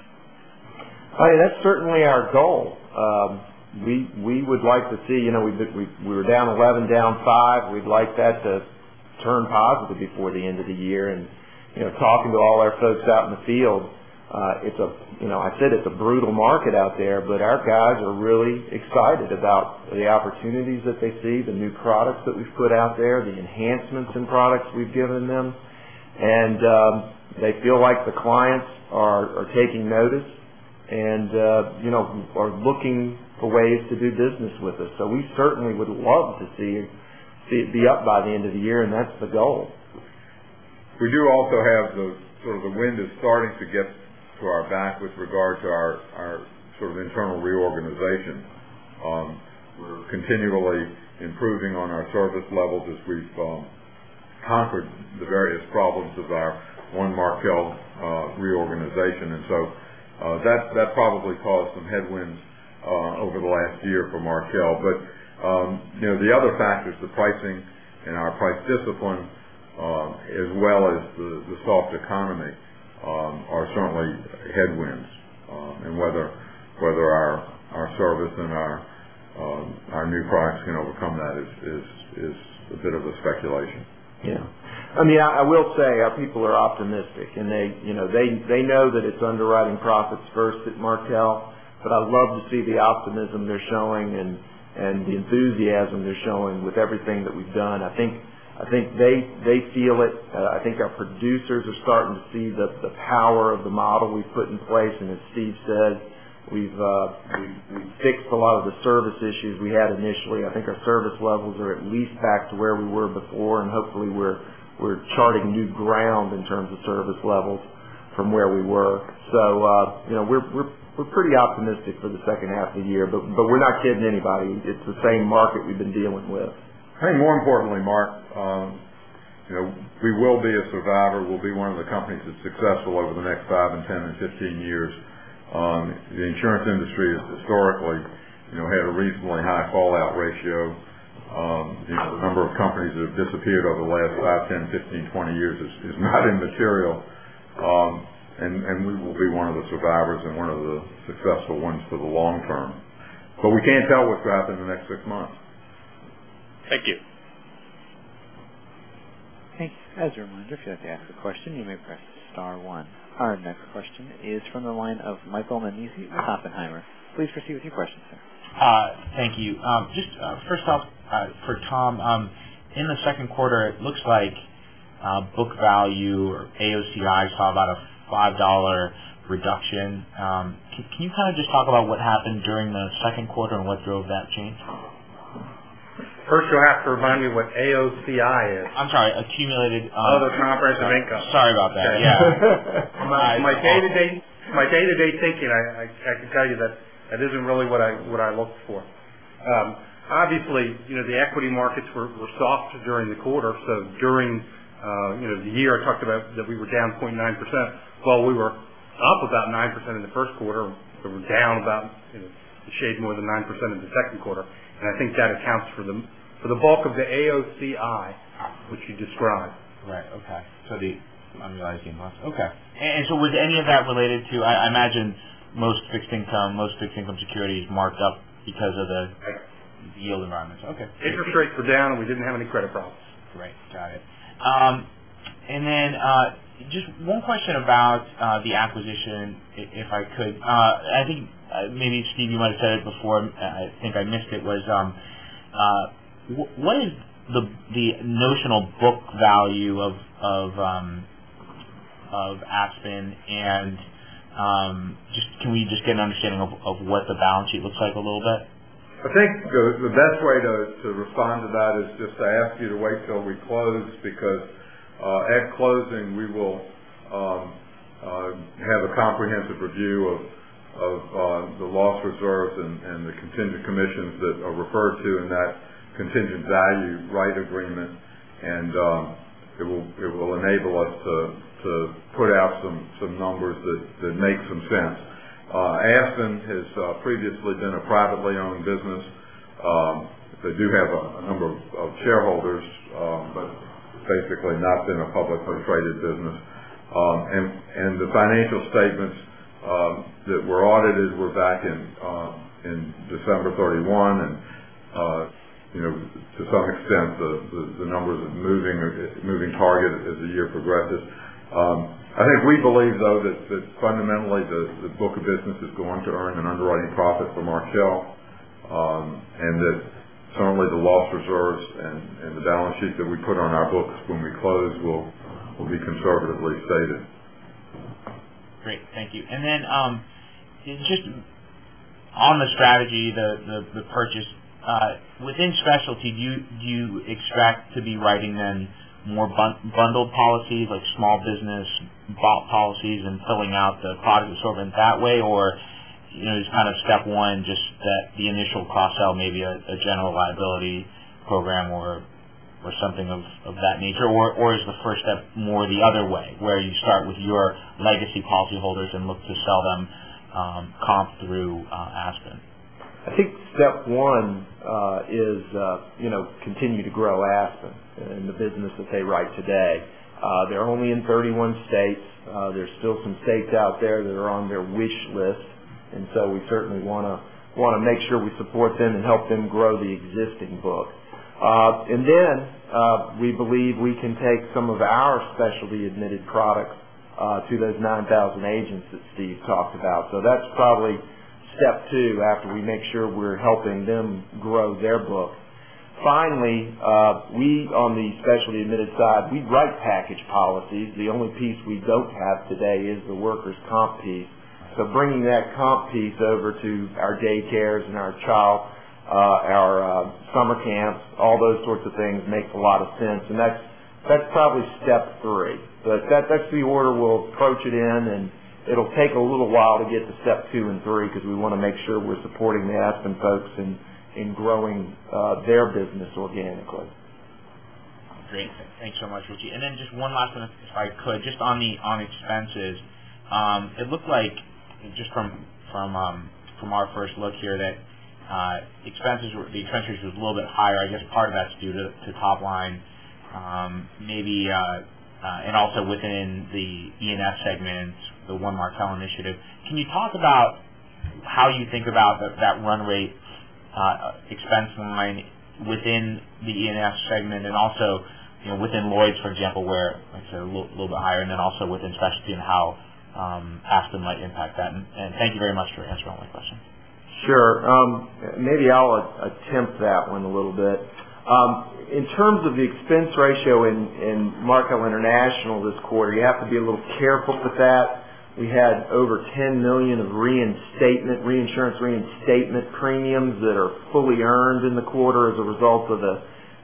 That's certainly our goal. We were down 11, down five. We'd like that to turn positive before the end of the year. Talking to all our folks out in the field, I said it's a brutal market out there, but our guys are really excited about the opportunities that they see, the new products that we've put out there, the enhancements in products we've given them. They feel like the clients are taking notice and are looking for ways to do business with us. We certainly would love to see it be up by the end of the year, and that's the goal. We do also have the sort of the wind is starting to get to our back with regard to our internal reorganization. We're continually improving on our service levels as we've conquered the various problems of our One Markel reorganization. That probably caused some headwinds over the last year for Markel. But the other factors, the pricing and our price discipline, as well as the soft economy, are certainly headwinds. And whether our service and our new products can overcome that is a bit of a speculation. Yeah. I will say our people are optimistic, and they know that it's underwriting profits first at Markel. But I love to see the optimism they're showing and the enthusiasm they're showing with everything that we've done. I think they feel it. I think our producers are starting to see the power of the model we've put in place. And as Steve said, we've fixed a lot of the service issues we had initially. I think our service levels are at least back to where we were before, and hopefully we're charting new ground in terms of service levels from where we were. So, we're pretty optimistic for the second half of the year, but we're not kidding anybody. It's the same market we've been dealing with. I think more importantly, Mark, we will be a survivor. We'll be one of the companies that's successful over the next five and 10 and 15 years. The insurance industry has historically had a reasonably high fallout ratio. The number of companies that have disappeared over the last 10, 15, 20 years is not immaterial. And we will be one of the survivors and one of the successful ones for the long term. But we can't tell what's going to happen in the next six months. Thank you. Thank you. As a reminder, if you have to ask a question, you may press star one. Our next question is from the line of Michael Nannizzi at Oppenheimer. Please proceed with your question, sir. Thank you. Just first off, for Tom, in the second quarter, it looks like book value or AOCI saw about a $5 reduction. Can you just talk about what happened during the second quarter and what drove that change? First, you'll have to remind me what AOCI is. I'm sorry. Oh, the comprehensive income. Sorry about that. Yeah. My day-to-day thinking, I can tell you that that isn't really what I look for. Obviously, the equity markets were soft during the quarter, during the year, I talked about that we were down 0.9%. While we were up about 9% in the first quarter, we were down about a shade more than 9% in the second quarter. I think that accounts for the bulk of the AOCI, which you describe. Right. Okay. The underlying team loss. Okay. Was any of that related to, I imagine most fixed income securities marked up because of the yield environment. Okay. Interest rates were down, we didn't have any credit problems. Right. Got it. Then, just one question about the acquisition, if I could. I think maybe Steve, you might have said it before, I think I missed it was, what is the notional book value of Aspen and can we just get an understanding of what the balance sheet looks like a little bit? I think the best way to respond to that is just to ask you to wait till we close because at closing we will have a comprehensive review of the loss reserves and the contingent commissions that are referred to in that contingent value right agreement. It will enable us to put out some numbers that make some sense. Aspen has previously been a privately owned business. They do have a number of shareholders but basically not been a public or a traded business. The financial statements that were audited were back in December 31 and to some extent, the number's a moving target as the year progresses. I think we believe, though, that fundamentally the book of business is going to earn an underwriting profit for Markel, that certainly the loss reserves and the balance sheet that we put on our books when we close will be conservatively stated. Great. Thank you. Then, just on the strategy, the purchase within Markel Specialty, do you expect to be writing then more bundled policies, like small business policies and filling out the product assortment that way? Or is kind of step 1 just that the initial cross-sell may be a general liability program or something of that nature? Or is the first step more the other way where you start with your legacy policyholders and look to sell them comp through Aspen? I think step 1 is continue to grow Aspen and the business that they write today. They're only in 31 states. There's still some states out there that are on their wish list, we certainly want to make sure we support them and help them grow the existing book. Then we believe we can take some of our specialty admitted products to those 9,000 agents that Steve talked about. That's probably step 2 after we make sure we're helping them grow their book. Finally, we on the specialty admitted side, we write package policies. The only piece we don't have today is the workers' comp piece. Bringing that comp piece over to our day cares and our child, our summer camps, all those sorts of things makes a lot of sense. That's probably step 3. That's the order we'll approach it in, and it'll take a little while to get to step 2 and 3 because we want to make sure we're supporting the Aspen folks in growing their business organically. Great. Thanks so much, Richie. Then just one last one, if I could. Just on expenses. It looked like just from our first look here that the expenses was a little bit higher. I guess part of that's due to top line, maybe, and also within the E&S segment, the One Markel initiative. Can you talk about how you think about that run rate expense line within the E&S segment and also within Lloyd's, for example, where things are a little bit higher and then also within specialty and how Aspen might impact that? Thank you very much for answering all my questions. Sure. Maybe I'll attempt that one a little bit. In terms of the expense ratio in Markel International this quarter, you have to be a little careful with that. We had over $10 million of reinsurance reinstatement premiums that are fully earned in the quarter as a result of the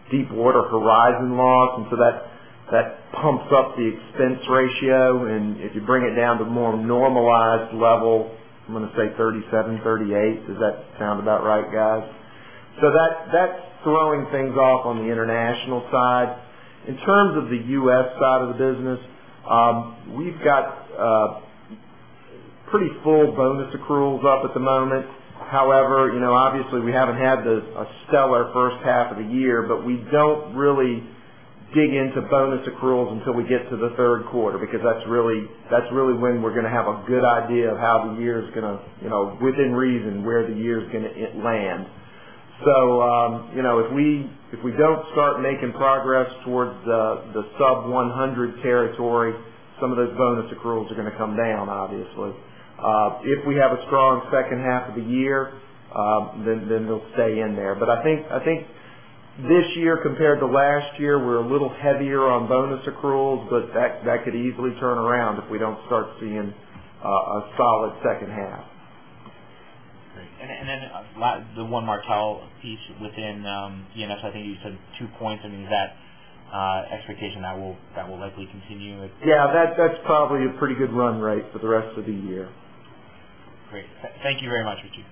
Deepwater Horizon loss. That pumps up the expense ratio. If you bring it down to more normalized level, I'm going to say 37, 38. Does that sound about right, guys? That's throwing things off on the international side. In terms of the U.S. side of the business, we've got pretty full bonus accruals up at the moment. However, obviously we haven't had a stellar first half of the year, but we don't really dig into bonus accruals until we get to the third quarter because that's really when we're going to have a good idea of how the year is going to, within reason, where the year's going to land. If we don't start making progress towards the sub 100 territory, some of those bonus accruals are going to come down, obviously. If we have a strong second half of the year, they'll stay in there. I think this year compared to last year, we're a little heavier on bonus accruals, but that could easily turn around if we don't start seeing a solid second half. Great. The One Markel piece within E&S, I think you said 2 points. I mean, is that expectation that will likely continue? Yeah, that's probably a pretty good run rate for the rest of the year. Great. Thank you very much, Richie.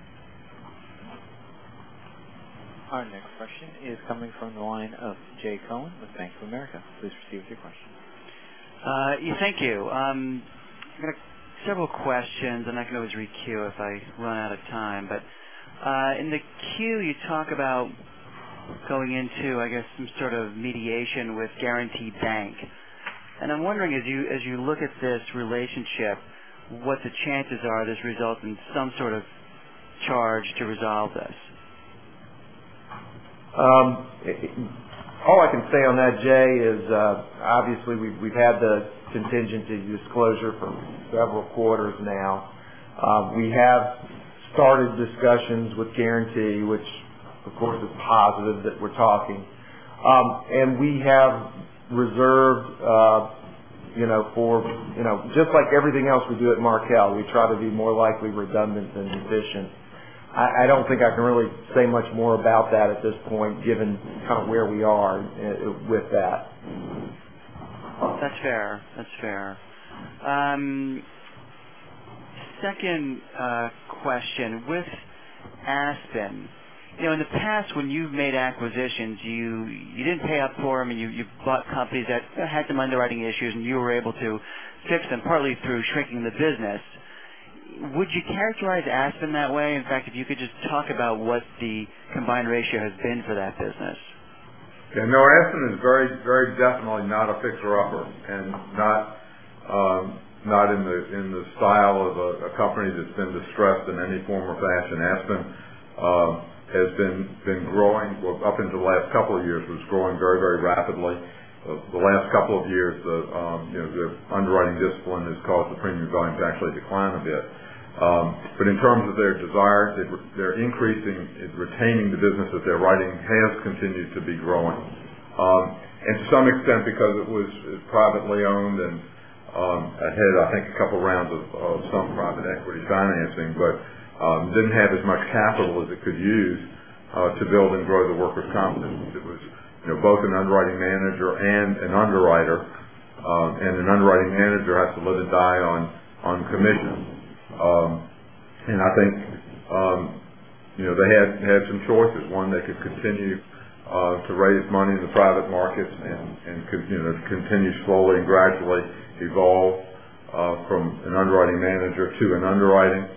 Our next question is coming from the line of Jay Cohen with Bank of America. Please proceed with your question. Thank you. I've got several questions, and I can always re-queue if I run out of time. In the queue, you talk about going into, I guess, some sort of mediation with Guaranty Bank. I'm wondering, as you look at this relationship, what the chances are this results in some sort of charge to resolve this? All I can say on that, Jay, is obviously we've had the contingency disclosure for several quarters now. We have started discussions with Guaranty, which of course, is positive that we're talking. We have reserved for, just like everything else we do at Markel, we try to be more likely redundant than sufficient. I don't think I can really say much more about that at this point, given kind of where we are with that. That's fair. Second question, with Aspen. In the past, when you've made acquisitions, you didn't pay up for them, and you bought companies that had some underwriting issues, and you were able to fix them partly through shrinking the business. Would you characterize Aspen that way? In fact, if you could just talk about what the combined ratio has been for that business. No, Aspen is very, very definitely not a fixer-upper, not in the style of a company that's been distressed in any form or fashion. Aspen has been growing, up until the last couple of years, was growing very, very rapidly. The last couple of years, their underwriting discipline has caused the premium volume to actually decline a bit. In terms of their desires, their increasing and retaining the business that they're writing has continued to be growing. To some extent because it was privately owned and had, I think, a couple of rounds of some private equity financing, but didn't have as much capital as it could use to build and grow the workers' comp business. It was both an underwriting manager and an underwriter, an underwriting manager has to live and die on commissions. I think they had some choices. One, they could continue to raise money in the private markets and continue to slowly and gradually evolve from an underwriting manager to an underwriter.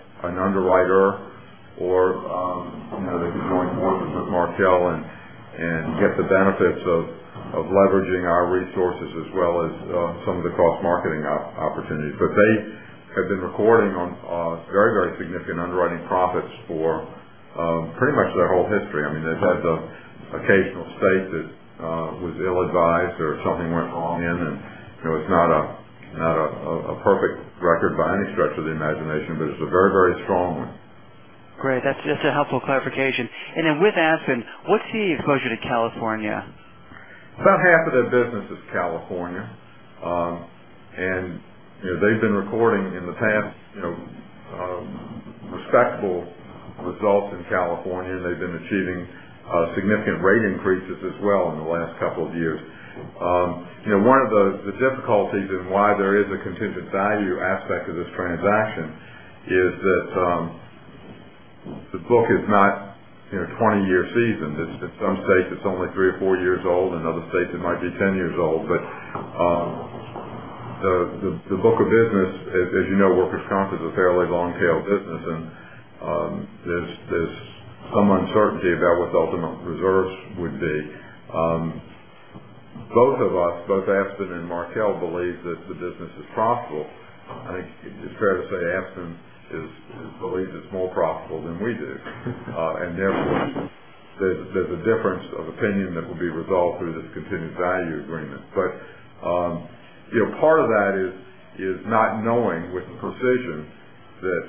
Or they could join forces with Markel and get the benefits of leveraging our resources as well as some of the cross-marketing opportunities. They have been recording on very, very significant underwriting profits for pretty much their whole history. I mean, they've had the occasional state that was ill-advised or something went wrong in, it's not a perfect record by any stretch of the imagination, but it's a very, very strong one. Great. That's a helpful clarification. Then with Aspen, what's the exposure to California? About half of their business is California. They've been recording in the past, respectable results in California, and they've been achieving significant rate increases as well in the last couple of years. One of the difficulties and why there is a contingent value aspect of this transaction is that the book is not 20-year seasoned. In some states, it's only three or four years old. In other states, it might be 10 years old. The book of business, as you know, workers' comp is a fairly long-tail business, and there's some uncertainty about what the ultimate reserves would be. Both of us, both Aspen and Markel, believe that the business is profitable. I think it's fair to say Aspen believes it's more profitable than we do. Therefore, there's a difference of opinion that will be resolved through this contingent value agreement. Part of that is not knowing with precision that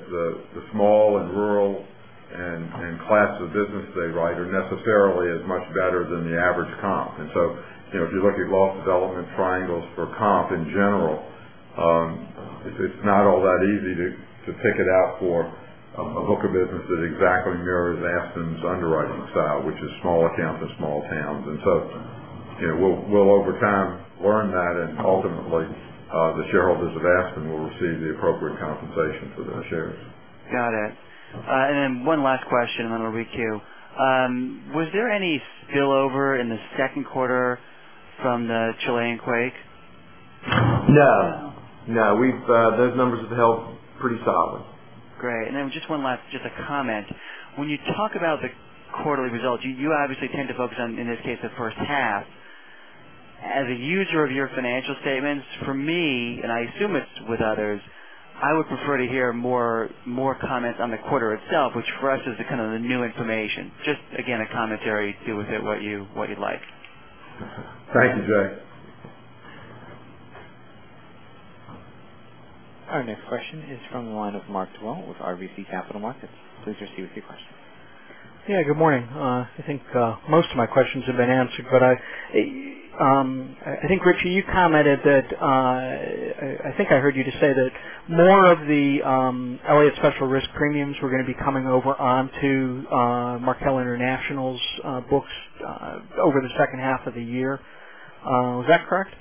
the small and rural and class of business they write are necessarily as much better than the average comp. If you look at loss development triangles for comp in general, it's not all that easy to pick it out for a book of business that exactly mirrors Aspen's underwriting style, which is small accounts and small towns. We'll over time learn that, and ultimately, the shareholders of Aspen will receive the appropriate compensation for those shares. Got it. Then one last question, then I'll re-queue. Was there any spillover in the second quarter from the Chilean quake? No. Those numbers have held pretty solid. Then just one last, just a comment. When you talk about the quarterly results, you obviously tend to focus on, in this case, the first half. As a user of your financial statements, for me, and I assume it's with others, I would prefer to hear more comments on the quarter itself, which for us is the kind of the new information. Just again, a commentary. Do with it what you'd like. Thank you, Jay. Our next question is from the line of Mark Dwelle with RBC Capital Markets. Please proceed with your question. Good morning. I think most of my questions have been answered. I think, Richie, you commented that, I think I heard you just say that more of the Elliott Special Risk premiums were going to be coming over onto Markel International's books over the second half of the year. Is that correct?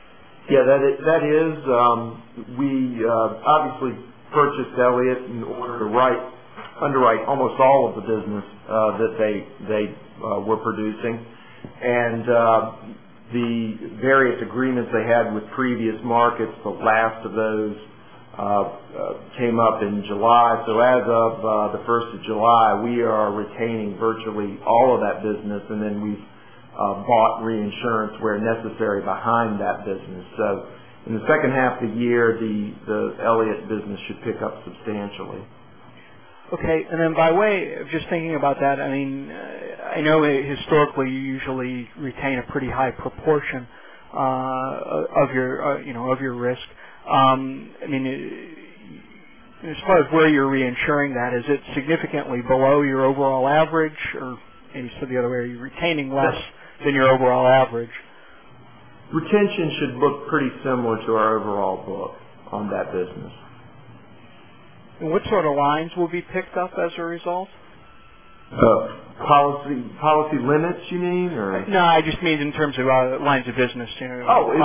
Yeah, that is. We obviously purchased Elliott in order to underwrite almost all of the business that they were producing. The various agreements they had with previous markets, the last of those came up in July. As of the 1st of July, we are retaining virtually all of that business, and then we've bought reinsurance where necessary behind that business. In the second half of the year, the Elliott business should pick up substantially. Okay. By way of just thinking about that, I know historically, you usually retain a pretty high proportion of your risk. As far as where you're reinsuring that, is it significantly below your overall average or maybe it's the other way, are you retaining less than your overall average? Retention should look pretty similar to our overall book on that business. What sort of lines will be picked up as a result? Policy limits, you mean? Or- I just mean in terms of lines of business generally.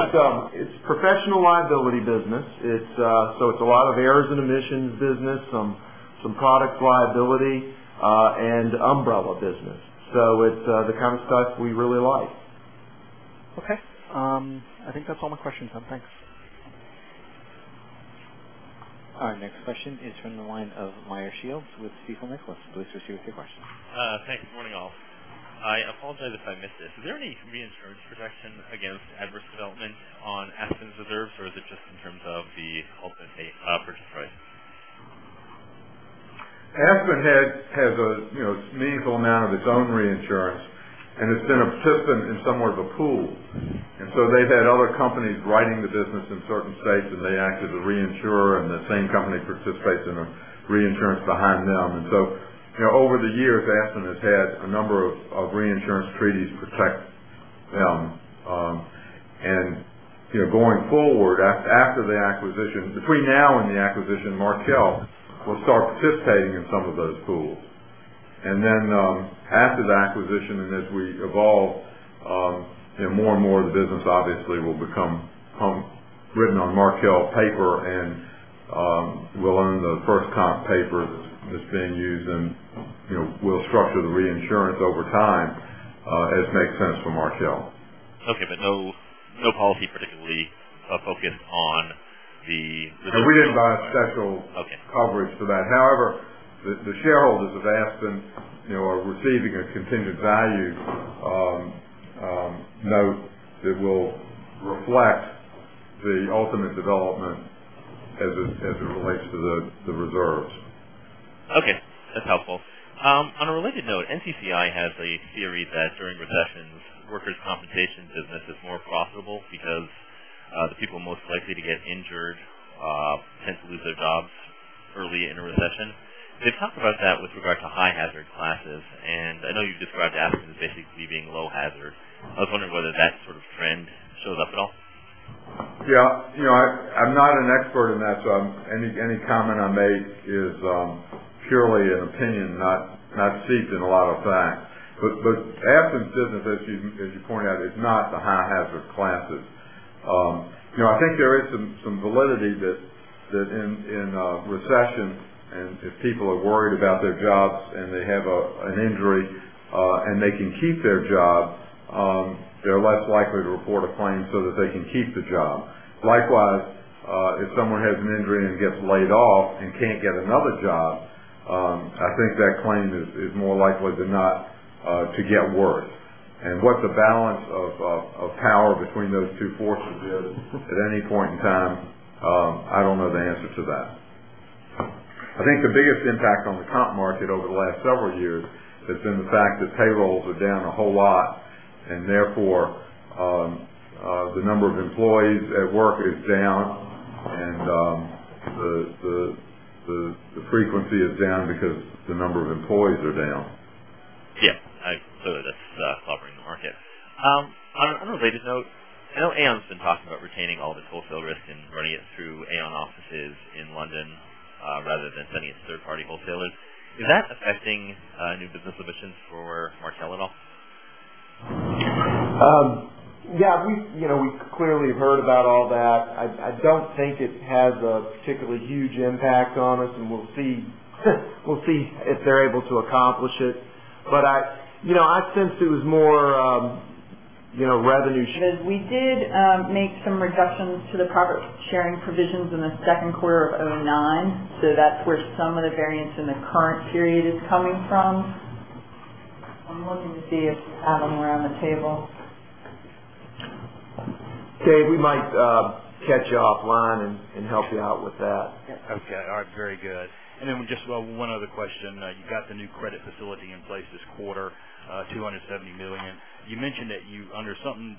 It's professional liability business. It's a lot of errors and omissions business, some product liability, and umbrella business. It's the kind of stuff we really like. Okay. I think that's all my questions then. Thanks. Our next question is from the line of Meyer Shields with Stifel Nicolaus. Please proceed with your question. Thanks. Good morning, all. I apologize if I missed this. Is there any reinsurance protection against adverse development on Aspen's reserves, or is it just in terms of the ultimate purchase price? Aspen has a meaningful amount of its own reinsurance, and it's been a participant in somewhat of a pool. They've had other companies writing the business in certain states, and they act as a reinsurer, and the same company participates in a reinsurance behind them. Over the years, Aspen has had a number of reinsurance treaties protect them. Going forward, after the acquisition, between now and the acquisition, Markel will start participating in some of those pools. After the acquisition, and as we evolve, more and more of the business obviously will become written on Markel paper, and we'll own the FirstComp paper that's being used, and we'll structure the reinsurance over time as it makes sense for Markel. Okay, no policy particularly focused on the- No, we didn't buy special coverage for that. The shareholders of Aspen are receiving a contingent value note that will reflect the ultimate development as it relates to the reserves. Okay. That's helpful. On a related note, NCCI has a theory that during recessions, workers' compensation business is more profitable because the people most likely to get injured tend to lose their jobs early in a recession. They talk about that with regard to high hazard classes, I know you've described Aspen as basically being low hazard. I was wondering whether that sort of trend shows up at all. Yeah. I'm not an expert in that, any comment I make is purely an opinion, not steeped in a lot of fact. Aspen's business, as you pointed out, is not the high hazard classes. I think there is some validity that in recession, if people are worried about their jobs and they have an injury, and they can keep their job, they're less likely to report a claim so that they can keep the job. Likewise, if someone has an injury and gets laid off and can't get another job, I think that claim is more likely than not to get worse. What the balance of power between those two forces is at any point in time, I don't know the answer to that. I think the biggest impact on the comp market over the last several years has been the fact that payrolls are down a whole lot, therefore, the number of employees at work is down, the frequency is down because the number of employees are down. Yeah. Absolutely. That's covering the market. On a related note, I know Aon's been talking about retaining all of its wholesale risk and running it through Aon offices in London, rather than sending it to third-party wholesalers. Is that affecting new business submissions for Markel at all? Yeah. We've clearly heard about all that. I don't think it has a particularly huge impact on us, we'll see if they're able to accomplish it. We did make some reductions to the profit-sharing provisions in the second quarter of 2009. That's where some of the variance in the current period is coming from I'm looking to see if she has them around the table. Kate, we might catch you offline and help you out with that. Okay. All right. Very good. Then just one other question. You got the new credit facility in place this quarter, $270 million. You mentioned that under certain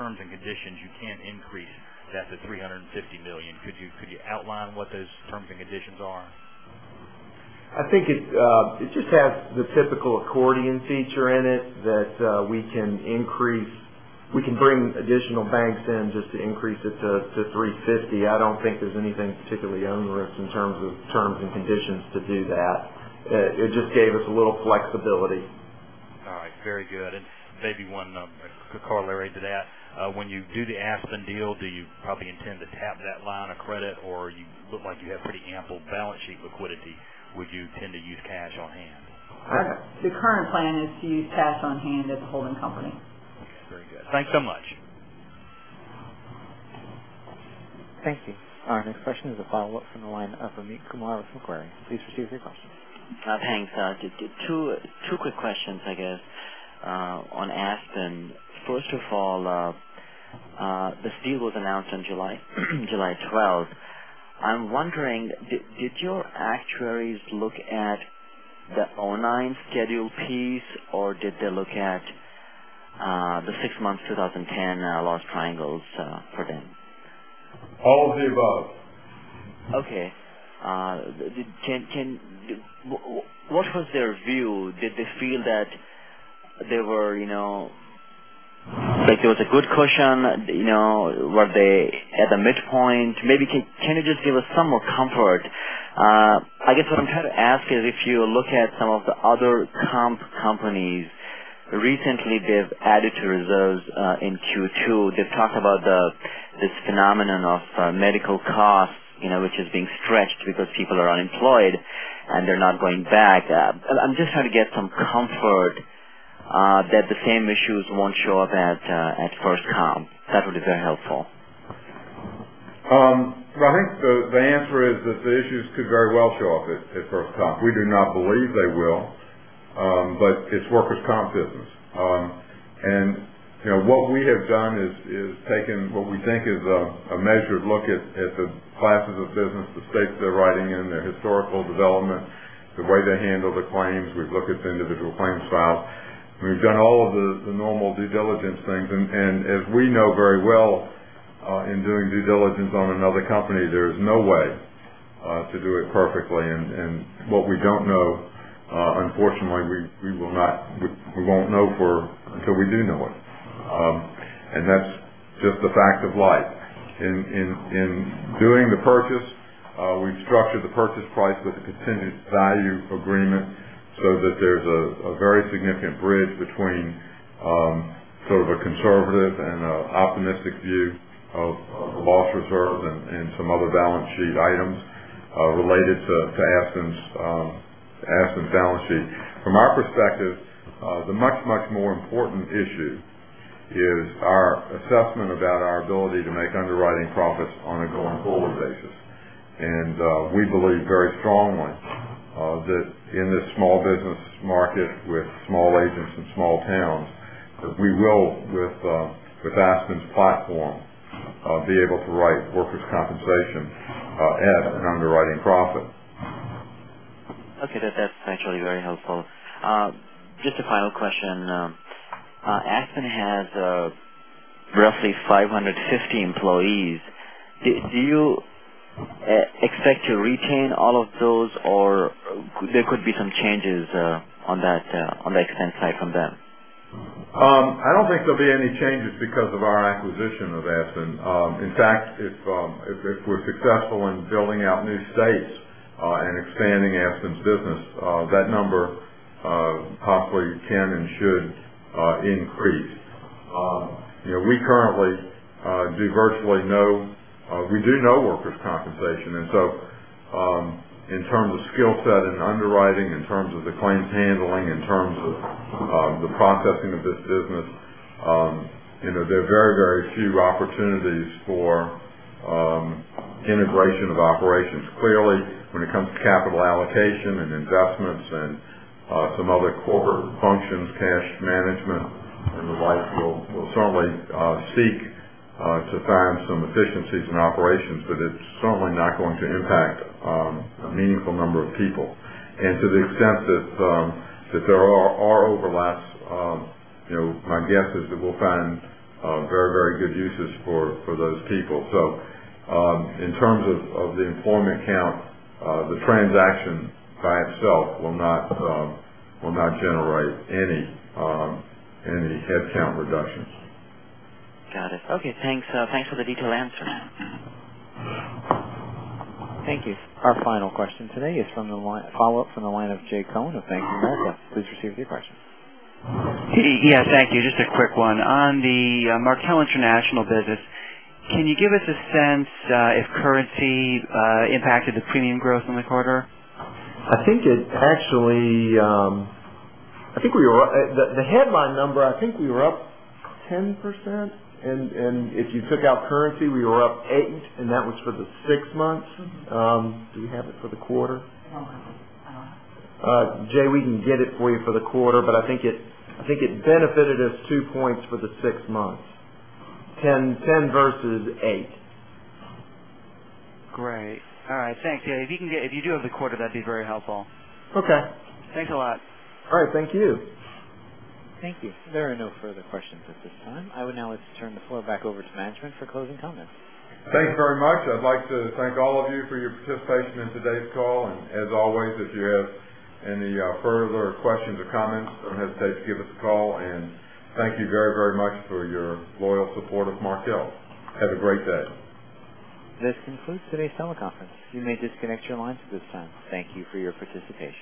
terms and conditions, you can increase that to $350 million. Could you outline what those terms and conditions are? I think it just has the typical accordion feature in it that we can bring additional banks in just to increase it to $350. I don't think there's anything particularly onerous in terms of terms and conditions to do that. It just gave us a little flexibility. All right, very good. Maybe one corollary to that. When you do the Aspen deal, do you probably intend to tap that line of credit, or you look like you have pretty ample balance sheet liquidity. Would you tend to use cash on hand? The current plan is to use cash on hand at the holding company. Very good. Thanks so much. Thank you. Our next question is a follow-up from the line of Amit Kumar with Macquarie. Please proceed with your question. Thanks. Two quick questions, I guess, on Aspen. First of all, this deal was announced on July 12th. I'm wondering, did your actuaries look at the 2009 Schedule P or did they look at the six months 2010 loss triangles for them? All of the above. Okay. What was their view? Did they feel that there was a good cushion, were they at the midpoint? Maybe can you just give us some more comfort? I guess what I'm trying to ask is if you look at some of the other comp companies, recently they've added to reserves in Q2. They've talked about this phenomenon of medical costs which is being stretched because people are unemployed and they're not going back. I'm just trying to get some comfort that the same issues won't show up at FirstComp. That would be very helpful. I think the answer is that the issues could very well show up at FirstComp. We do not believe they will. It's workers' comp business. What we have done is taken what we think is a measured look at the classes of business, the states they're writing in, their historical development, the way they handle the claims. We've looked at the individual claims files. We've done all of the normal due diligence things. As we know very well, in doing due diligence on another company, there is no way to do it perfectly. What we don't know, unfortunately, we won't know until we do know it. That's just a fact of life. In doing the purchase, we've structured the purchase price with a contingent value agreement so that there's a very significant bridge between sort of a conservative and an optimistic view of the loss reserve and some other balance sheet items related to Aspen's balance sheet. From our perspective, the much, much more important issue is our assessment about our ability to make underwriting profits on a going-forward basis. We believe very strongly that in this small business market with small agents and small towns, that we will, with Aspen's platform, be able to write workers' compensation at an underwriting profit. Okay. That's actually very helpful. Just a final question. Aspen has roughly 550 employees. Do you expect to retain all of those, or there could be some changes on the Aspen side from them? I don't think there'll be any changes because of our acquisition of Aspen. In fact, if we're successful in building out new states and expanding Aspen's business, that number possibly can and should increase. We do no workers' compensation. In terms of skill set in underwriting, in terms of the claims handling, in terms of the processing of this business, there are very, very few opportunities for integration of operations. Clearly, when it comes to capital allocation and investments and some other corporate functions, cash management, and the like, we'll certainly seek to find some efficiencies in operations, but it's certainly not going to impact a meaningful number of people. To the extent that there are overlaps, my guess is that we'll find very, very good uses for those people. In terms of the employment count, the transaction by itself will not generate any headcount reductions. Got it. Okay, thanks. Thanks for the detailed answer. Thank you. Our final question today is a follow-up from the line of Jay Cohen of Bank of America. Please proceed with your question. Yeah, thank you. Just a quick one. On the Markel International business, can you give us a sense if currency impacted the premium growth in the quarter? The headline number, I think we were up 10%. If you took out currency, we were up 8%, and that was for the six months. Do we have it for the quarter? I don't have it. I don't have it. Jay, we can get it for you for the quarter, I think it benefited us two points for the six months. 10 versus 8. Great. All right. Thanks, Jay. If you do have the quarter, that would be very helpful. Okay. Thanks a lot. All right. Thank you. Thank you. There are no further questions at this time. I would now like to turn the floor back over to management for closing comments. Thanks very much. I'd like to thank all of you for your participation in today's call. As always, if you have any further questions or comments, don't hesitate to give us a call. Thank you very, very much for your loyal support of Markel. Have a great day. This concludes today's teleconference. You may disconnect your lines at this time. Thank you for your participation.